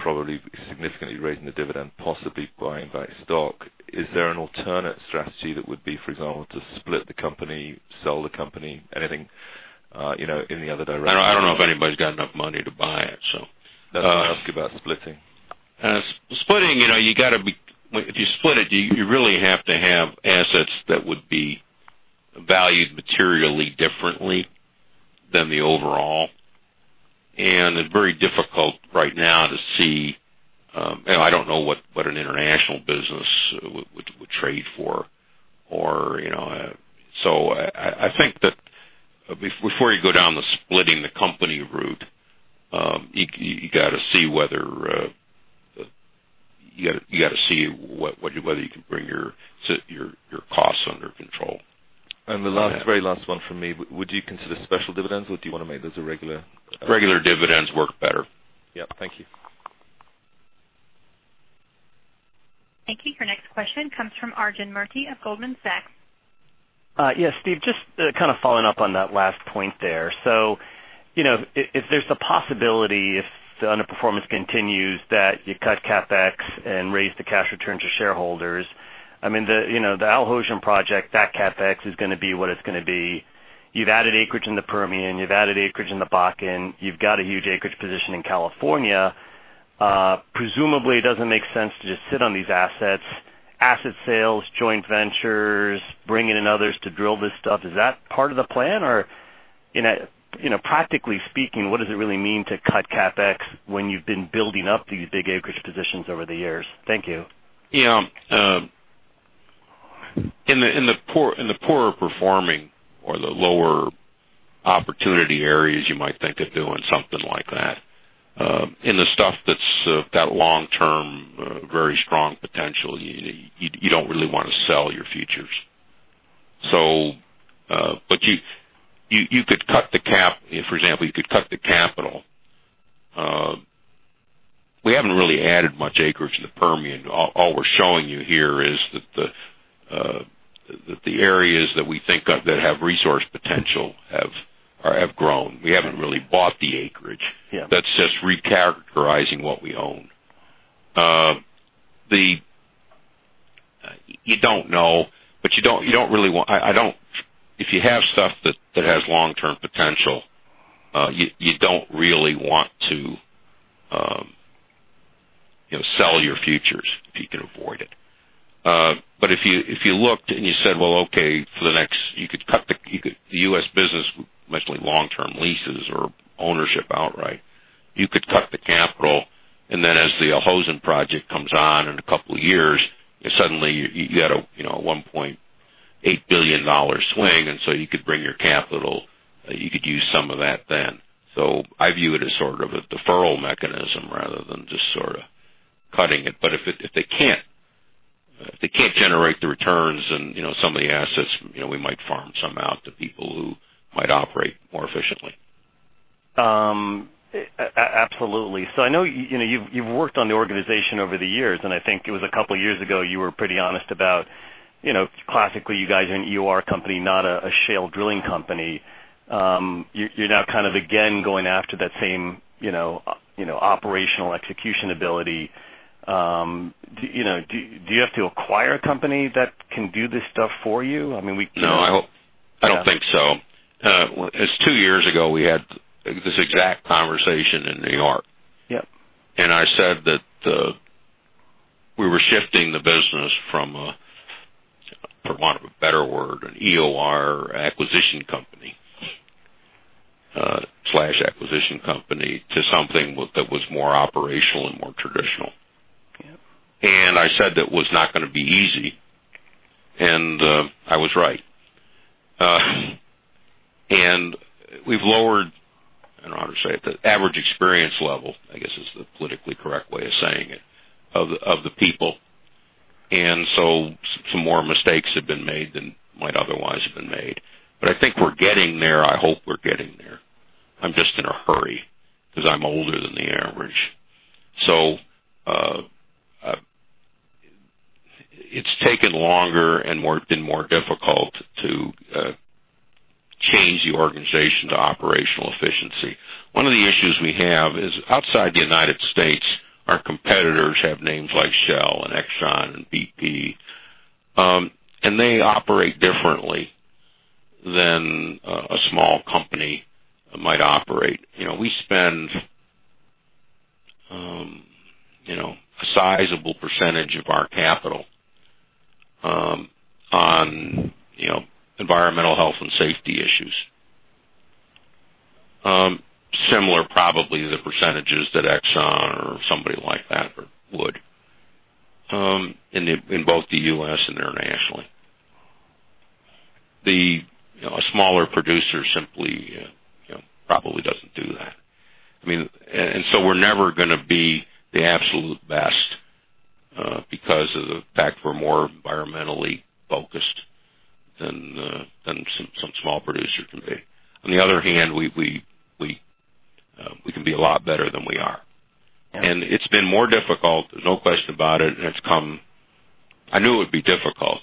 probably significantly raising the dividend, possibly buying back stock. Is there an alternate strategy that would be, for example, to split the company, sell the company, anything, in the other direction? I don't know if anybody's got enough money to buy it. That's why I'm asking about splitting. Splitting, if you split it, you really have to have assets that would be valued materially differently than the overall, and it's very difficult right now to see. I don't know what an international business would trade for. I think that before you go down the splitting the company route, you got to see whether you can bring your costs under control. The very last one from me, would you consider special dividends, or do you want to make those a regular? Regular dividends work better. Yep. Thank you. Thank you. Your next question comes from Arjun Murti of Goldman Sachs. Yes, Steve, just kind of following up on that last point there. If there's a possibility if the underperformance continues that you cut CapEx and raise the cash return to shareholders, the Al Hosn project, that CapEx is going to be what it's going to be. You've added acreage in the Permian, you've added acreage in the Bakken, you've got a huge acreage position in California. Presumably, it doesn't make sense to just sit on these assets. Asset sales, joint ventures, bringing in others to drill this stuff, is that part of the plan? Practically speaking, what does it really mean to cut CapEx when you've been building up these big acreage positions over the years? Thank you. In the poorer performing or the lower opportunity areas, you might think of doing something like that. In the stuff that's got long-term, very strong potential, you don't really want to sell your futures. For example, you could cut the capital. We haven't really added much acreage in the Permian. All we're showing you here is that the areas that we think of that have resource potential have grown. We haven't really bought the acreage. Yeah. That's just recharacterizing what we own. You don't know, if you have stuff that has long-term potential, you don't really want to sell your futures if you can avoid it. If you looked and you said, well, okay, the U.S. business, mostly long-term leases or ownership outright, you could cut the capital, then as the Al Hosn project comes on in a couple of years, suddenly you got a $1.8 billion swing, you could bring your capital, you could use some of that then. I view it as sort of a deferral mechanism rather than just sort of cutting it. If they can't generate the returns on some of the assets, we might farm some out to people who might operate more efficiently. Absolutely. I know you've worked on the organization over the years, and I think it was a couple of years ago, you were pretty honest about, classically, you guys are an EOR company, not a shale drilling company. You're now kind of again going after that same operational execution ability. Do you have to acquire a company that can do this stuff for you? No, I don't think so. It's two years ago, we had this exact conversation in New York. Yep. I said that we were shifting the business from, for want of a better word, an EOR acquisition company to something that was more operational and more traditional. Yeah. I said that was not going to be easy, and I was right. We've lowered, I don't know how to say it, the average experience level, I guess, is the politically correct way of saying it, of the people. Some more mistakes have been made than might otherwise have been made. I think we're getting there. I hope we're getting there. I'm just in a hurry because I'm older than the average. It's taken longer and been more difficult to change the organization to operational efficiency. One of the issues we have is outside the U.S., our competitors have names like Shell and Exxon and BP. They operate differently than a small company might operate. We spend a sizable percentage of our capital on environmental health and safety issues. Similar probably to the percentages that Exxon or somebody like that would in both the U.S. and internationally. A smaller producer simply probably doesn't do that. We're never going to be the absolute best because of the fact we're more environmentally focused than some small producer can be. On the other hand, we can be a lot better than we are. Yeah. It's been more difficult, there's no question about it, and I knew it would be difficult.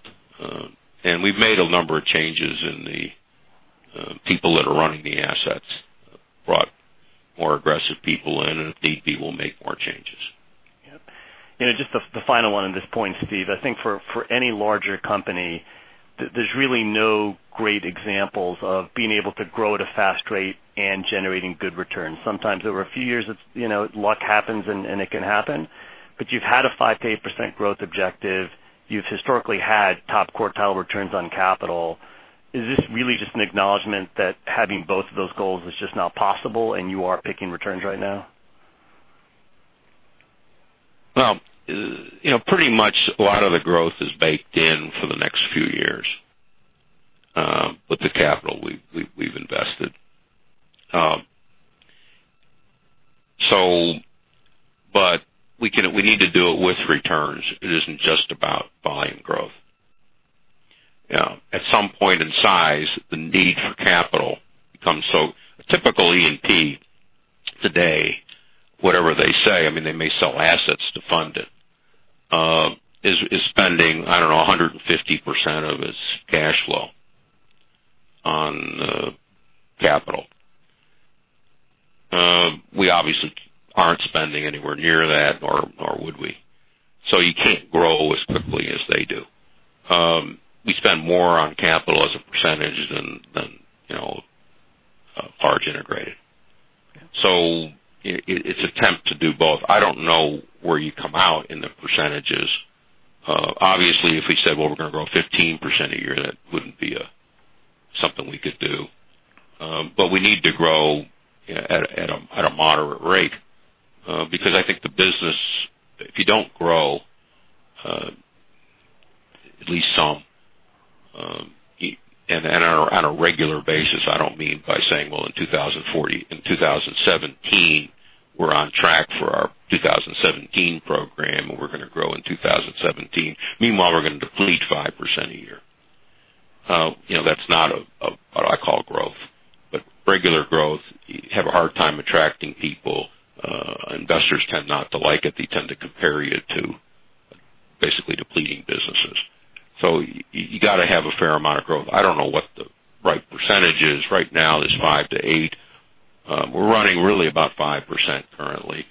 We've made a number of changes in the people that are running the assets, brought more aggressive people in, and if need be, we'll make more changes. Yep. Just the final one on this point, Steve. I think for any larger company, there's really no great examples of being able to grow at a fast rate and generating good returns. Sometimes over a few years, luck happens and it can happen. You've had a 5%-8% growth objective. You've historically had top quartile returns on capital. Is this really just an acknowledgement that having both of those goals is just not possible and you are picking returns right now? Pretty much a lot of the growth is baked in for the next few years with the capital we've invested. We need to do it with returns. It isn't just about buying growth. At some point in size, the need for capital becomes so Typical E&P today, whatever they say, they may sell assets to fund it, is spending, I don't know, 150% of its cash flow on capital. We obviously aren't spending anywhere near that, nor would we. You can't grow as quickly as they do. We spend more on capital as a percentage than a large integrated. Yeah. It's attempt to do both. I don't know where you come out in the percentages. Obviously, if we said, well, we're going to grow 15% a year, that wouldn't be something we could do. We need to grow at a moderate rate, because I think the business, if you don't grow at least some, and on a regular basis, I don't mean by saying, well, in 2017, we're on track for our 2017 program, and we're going to grow in 2017. Meanwhile, we're going to deplete 5% a year. That's not what I call growth, but regular growth, you have a hard time attracting people. Investors tend not to like it. They tend to compare you to basically depleting businesses. You got to have a fair amount of growth. I don't know what the right percentage is. Right now, it's 5-8. We're running really about 5% currently,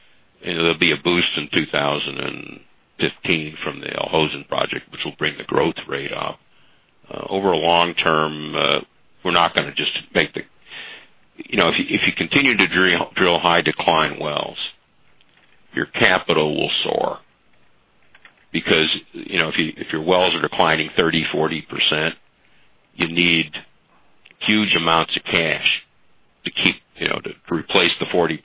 and there'll be a boost in 2015 from the Al Hosn project, which will bring the growth rate up. Over a long term, we're not going to just make the If you continue to drill high decline wells, your capital will soar, because, if your wells are declining 30%-40%, you need huge amounts of cash to replace the 40%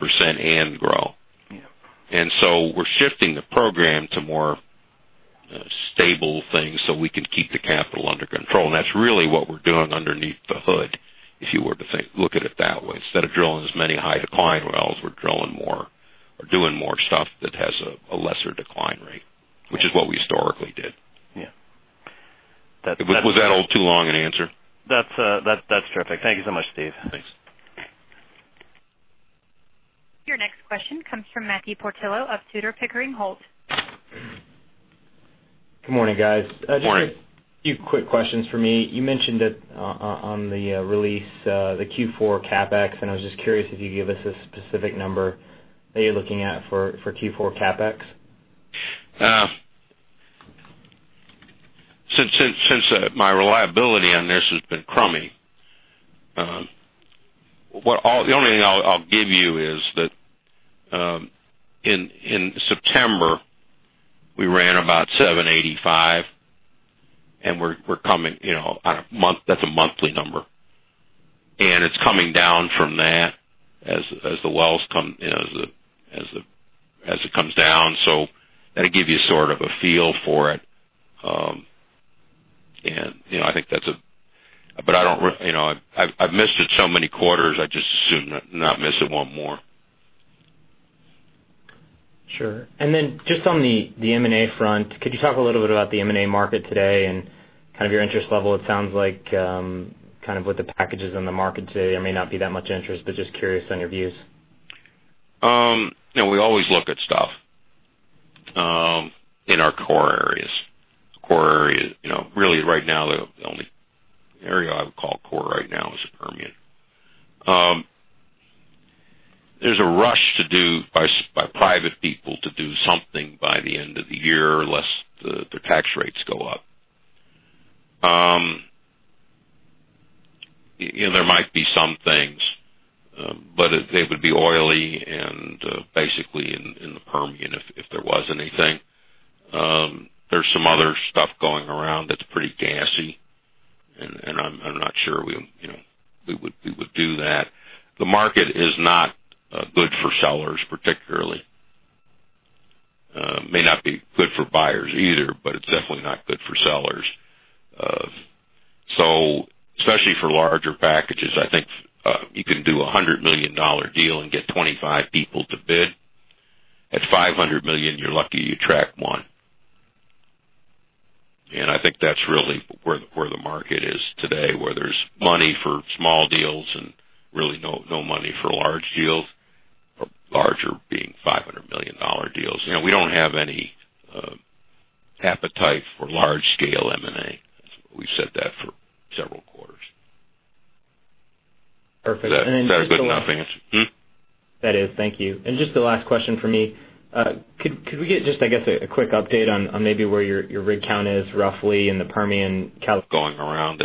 and grow. Yeah. We're shifting the program to more stable things so we can keep the capital under control. That's really what we're doing underneath the hood, if you were to look at it that way. Instead of drilling as many high decline wells, we're drilling more or doing more stuff that has a lesser decline rate, which is what we historically did. Yeah. Was that all too long an answer? That's terrific. Thank you so much, Steve. Thanks. Your next question comes from Matthew Portillo of Tudor, Pickering, Holt & Co. Good morning, guys. Morning. Just a few quick questions for me. You mentioned that on the release, the Q4 CapEx. I was just curious if you'd give us a specific number that you're looking at for Q4 CapEx. Since my reliability on this has been crummy, the only thing I'll give you is that, in September, we ran about $785. That's a monthly number. It's coming down from that as it comes down. That'll give you sort of a feel for it. I've missed it so many quarters, I'd just as soon not miss it one more. Sure. Just on the M&A front, could you talk a little bit about the M&A market today and kind of your interest level? It sounds like, with the packages on the market today, there may not be that much interest, but just curious on your views. We always look at stuff in our core areas. Really right now, the only area I would call core right now is the Permian. There's a rush by private people to do something by the end of the year, lest their tax rates go up. There might be some things, but they would be oily and basically in the Permian, if there was anything. There's some other stuff going around that's pretty gassy. I'm not sure we would do that. The market is not good for sellers, particularly. May not be good for buyers either, but it's definitely not good for sellers. Especially for larger packages, I think you can do a $100 million deal and get 25 people to bid. At $500 million, you're lucky you attract one. I think that's really where the market is today, where there's money for small deals and really no money for large deals, larger being $500 million deals. We don't have any appetite for large scale M&A. We've said that for several quarters. Perfect. Is that a good enough answer? That is. Thank you. Just the last question for me. Could we get just, I guess, a quick update on maybe where your rig count is, roughly, in the Permian, California- Going around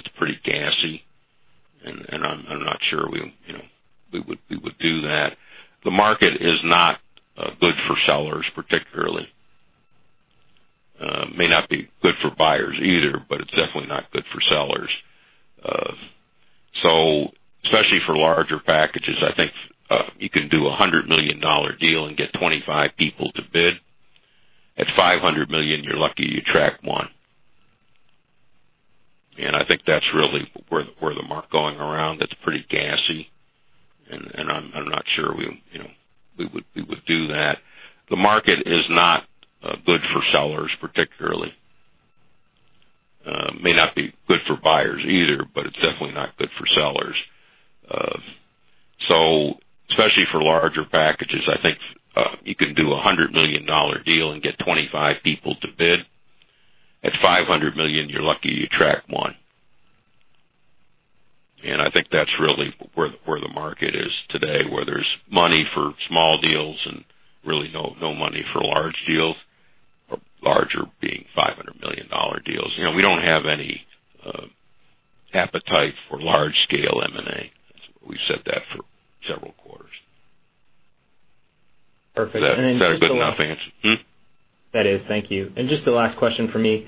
that's pretty gassy, and I'm not sure we would do that. The market is not good for sellers, particularly. May not be good for buyers either, but it's definitely not good for sellers. Especially for larger packages, I think you can do a $100 million deal and get 25 people to bid. At $500 million, you're lucky you attract one. I think that's really where the market is today, where there's money for small deals and really no money for large deals, larger being $500 million deals. We don't have any appetite for large scale M&A. We've said that for several quarters. Perfect. Just the last- Is that a good enough answer? That is. Thank you. Just the last question for me.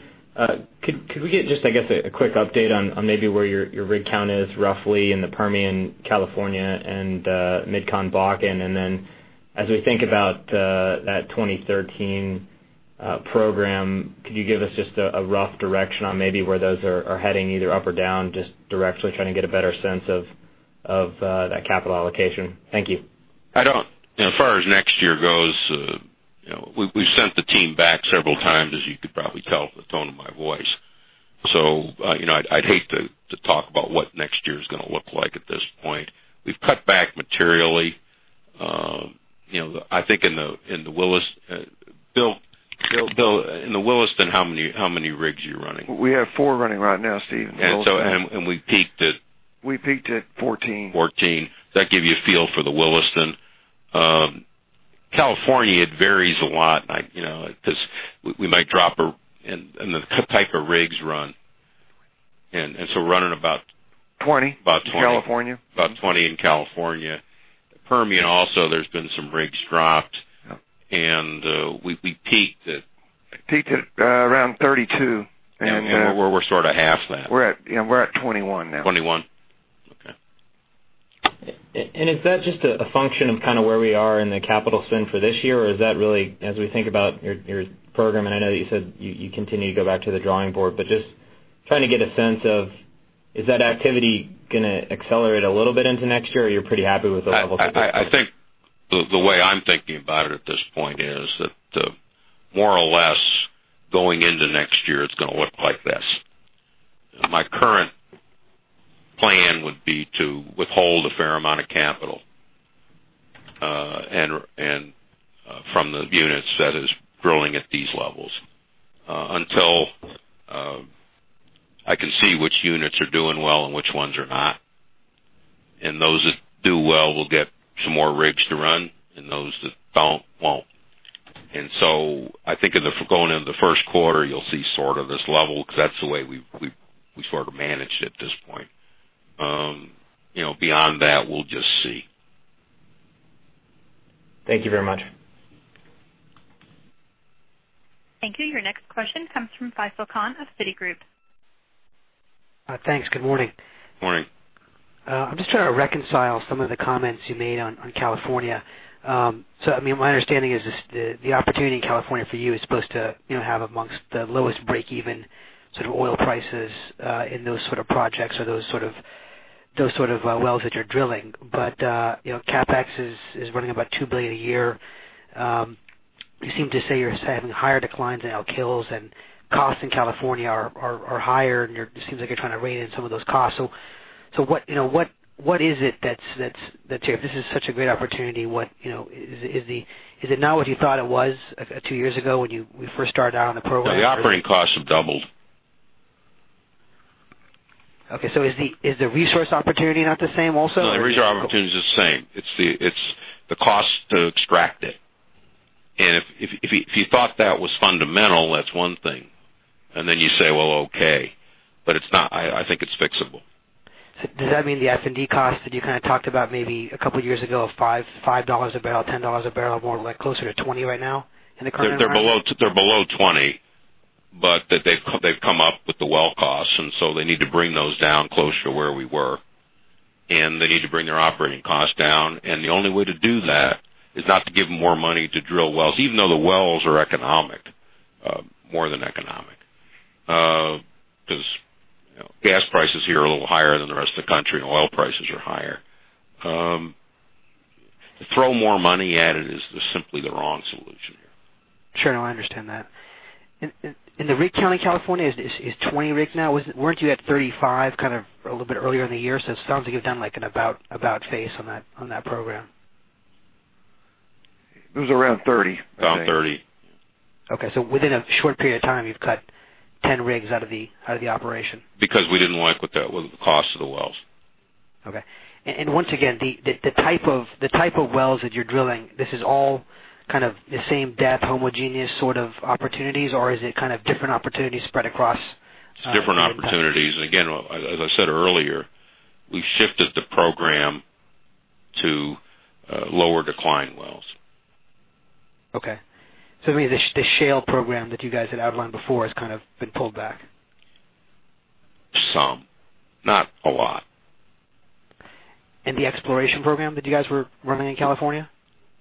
Could we get just, I guess, a quick update on maybe where your rig count is, roughly, in the Permian, California, and MidCon Bakken? As we think about that 2013 program, could you give us just a rough direction on maybe where those are heading, either up or down, just directionally trying to get a better sense of that capital allocation? Thank you. As far as next year goes We've sent the team back several times, as you could probably tell from the tone of my voice. I'd hate to talk about what next year is going to look like at this point. We've cut back materially. Bill, in the Williston, how many rigs are you running? We have four running right now, Steve. We peaked at? We peaked at 14. 14. Does that give you a feel for the Williston? California, it varies a lot, because we might drop, and the type of rigs run. Running about 20. About 20. In California. About 20 in California. Permian, also, there's been some rigs dropped, and we peaked at? Peaked at around 32. We're sort of half that. We're at 21 now. 21. Okay. Is that just a function of where we are in the capital spend for this year? Is that really, as we think about your program, I know that you said you continue to go back to the drawing board, but just trying to get a sense of, is that activity going to accelerate a little bit into next year, or you're pretty happy with the levels that you're at? I think the way I'm thinking about it at this point is that more or less, going into next year, it's going to look like this. My current plan would be to withhold a fair amount of capital from the units that is drilling at these levels, until I can see which units are doing well and which ones are not. Those that do well will get some more rigs to run, and those that don't, won't. I think going into the first quarter, you'll see sort of this level, because that's the way we've sort of managed it at this point. Beyond that, we'll just see. Thank you very much. Thank you. Your next question comes from Faisel Khan of Citigroup. Thanks. Good morning. Morning. My understanding is the opportunity in California for you is supposed to have amongst the lowest breakeven oil prices in those sort of projects or those sort of wells that you're drilling. CapEx is running about $2 billion a year. You seem to say you're having higher declines in Elk Hills and costs in California are higher, and it seems like you're trying to rein in some of those costs. What is it that's here? If this is such a great opportunity, is it not what you thought it was two years ago when you first started out on the program? The operating costs have doubled. Is the resource opportunity not the same also? No, the resource opportunity is the same. It's the cost to extract it. If you thought that was fundamental, that's one thing. Then you say, well, okay, but I think it's fixable. Does that mean the F&D cost that you kind of talked about maybe a couple of years ago of $5 a barrel, $10 a barrel, more closer to $20 right now in the current environment? They're below $20, they've come up with the well costs, they need to bring those down closer to where we were, and they need to bring their operating costs down. The only way to do that is not to give more money to drill wells, even though the wells are economic, more than economic. Gas prices here are a little higher than the rest of the country, and oil prices are higher. To throw more money at it is simply the wrong solution here. Sure, no, I understand that. In the rig count in California, is it 20 rigs now? Weren't you at 35 a little bit earlier in the year? It sounds like you've done an about-face on that program. It was around 30, I think. Around 30. Okay. Within a short period of time, you've cut 10 rigs out of the operation. Because we didn't like what the cost of the wells. Okay. Once again, the type of wells that you're drilling, this is all kind of the same depth, homogeneous sort of opportunities, or is it kind of different opportunities spread across? It's different opportunities. Again, as I said earlier, we've shifted the program to lower decline wells. Okay. The shale program that you guys had outlined before has kind of been pulled back. Some, not a lot. The exploration program that you guys were running in California?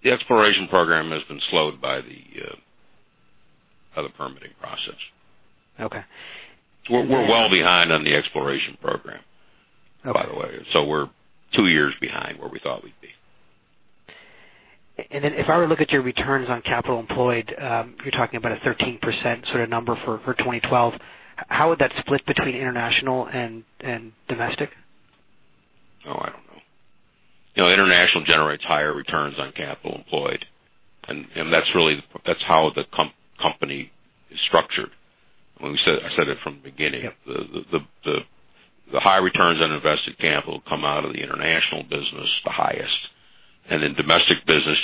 The exploration program has been slowed by the permitting process. Okay. We're well behind on the exploration program, by the way. We're two years behind where we thought we'd be. If I were to look at your returns on capital employed, you're talking about a 13% sort of number for 2012. How would that split between international and domestic? Oh, I don't know. International generates higher returns on capital employed. That's how the company is structured. I said it from the beginning. Yep. The high returns on invested capital come out of the international business, the highest. Domestic business,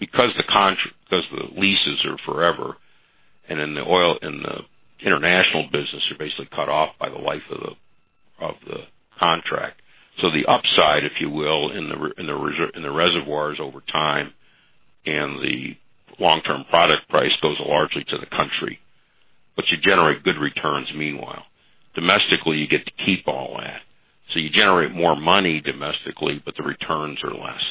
because the leases are forever, in the international business, you're basically cut off by the life of the contract. The upside, if you will, in the reservoirs over time and the long-term product price goes largely to the country. You generate good returns meanwhile. Domestically, you get to keep all that. You generate more money domestically, but the returns are less.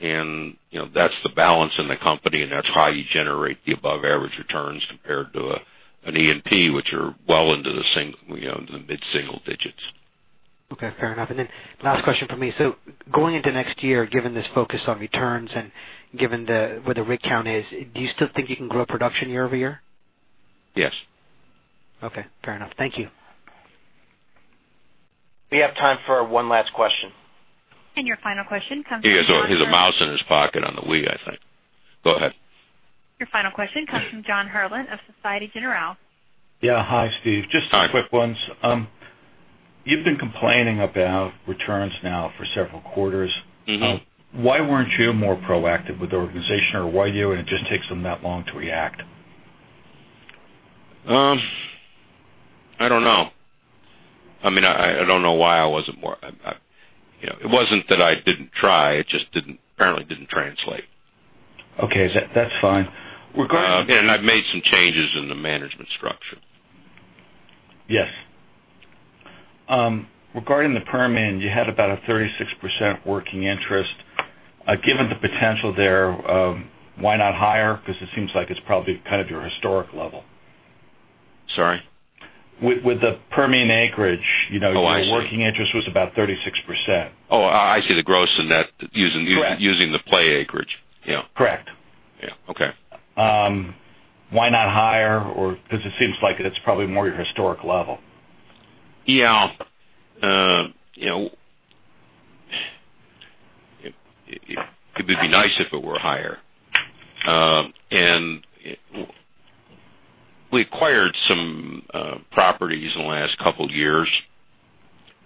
That's the balance in the company, and that's how you generate the above-average returns compared to an E&P, which are well into the mid-single digits. Okay, fair enough. Last question from me. Going into next year, given this focus on returns and given where the rig count is, do you still think you can grow production year-over-year? Yes. Okay, fair enough. Thank you. We have time for one last question. Your final question comes from- He has a mouse in his pocket on the Wii, I think. Go ahead. Your final question comes from John Hurlin of Societe Generale. Yeah. Hi, Steve. Hi. Just two quick ones. You've been complaining about returns now for several quarters. Why weren't you more proactive with the organization? Why you, and it just takes them that long to react? I don't know. I don't know why I wasn't more. It wasn't that I didn't try, it just apparently didn't translate. Okay. That's fine. Regarding- I've made some changes in the management structure. Yes. Regarding the Permian, you had about a 36% working interest. Given the potential there, why not higher? It seems like it's probably your historic level. Sorry? With the Permian acreage- Oh, I see. your working interest was about 36%. Oh, I see, the gross and net using- Correct using the play acreage. Yeah. Correct. Yeah. Okay. Why not higher? It seems like that's probably more your historic level. Yeah. It'd be nice if it were higher. We acquired some properties in the last couple years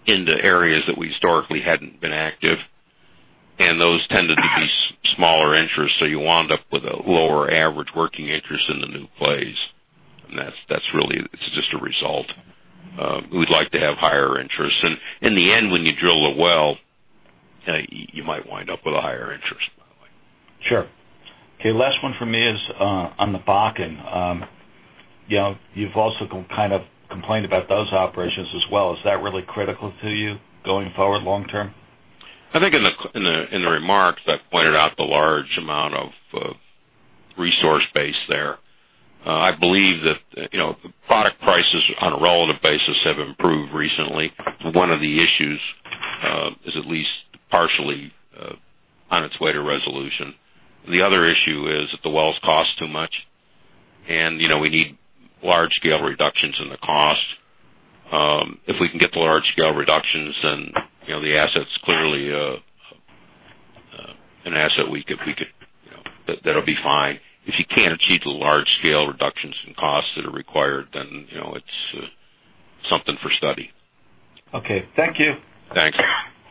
into areas that we historically hadn't been active, and those tended to be smaller interests, so you wound up with a lower average working interest in the new plays. That's really, it's just a result. We'd like to have higher interests. In the end, when you drill a well, you might wind up with a higher interest, by the way. Sure. Okay, last one for me is on the Bakken. You've also complained about those operations as well. Is that really critical to you going forward long term? I think in the remarks, I pointed out the large amount of resource base there. I believe that product prices on a relative basis have improved recently. One of the issues is at least partially on its way to resolution. The other issue is that the wells cost too much, and we need large-scale reductions in the cost. If we can get the large-scale reductions, the asset's clearly an asset that'll be fine. If you can't achieve the large-scale reductions in costs that are required, it's something for study. Okay. Thank you. Thanks.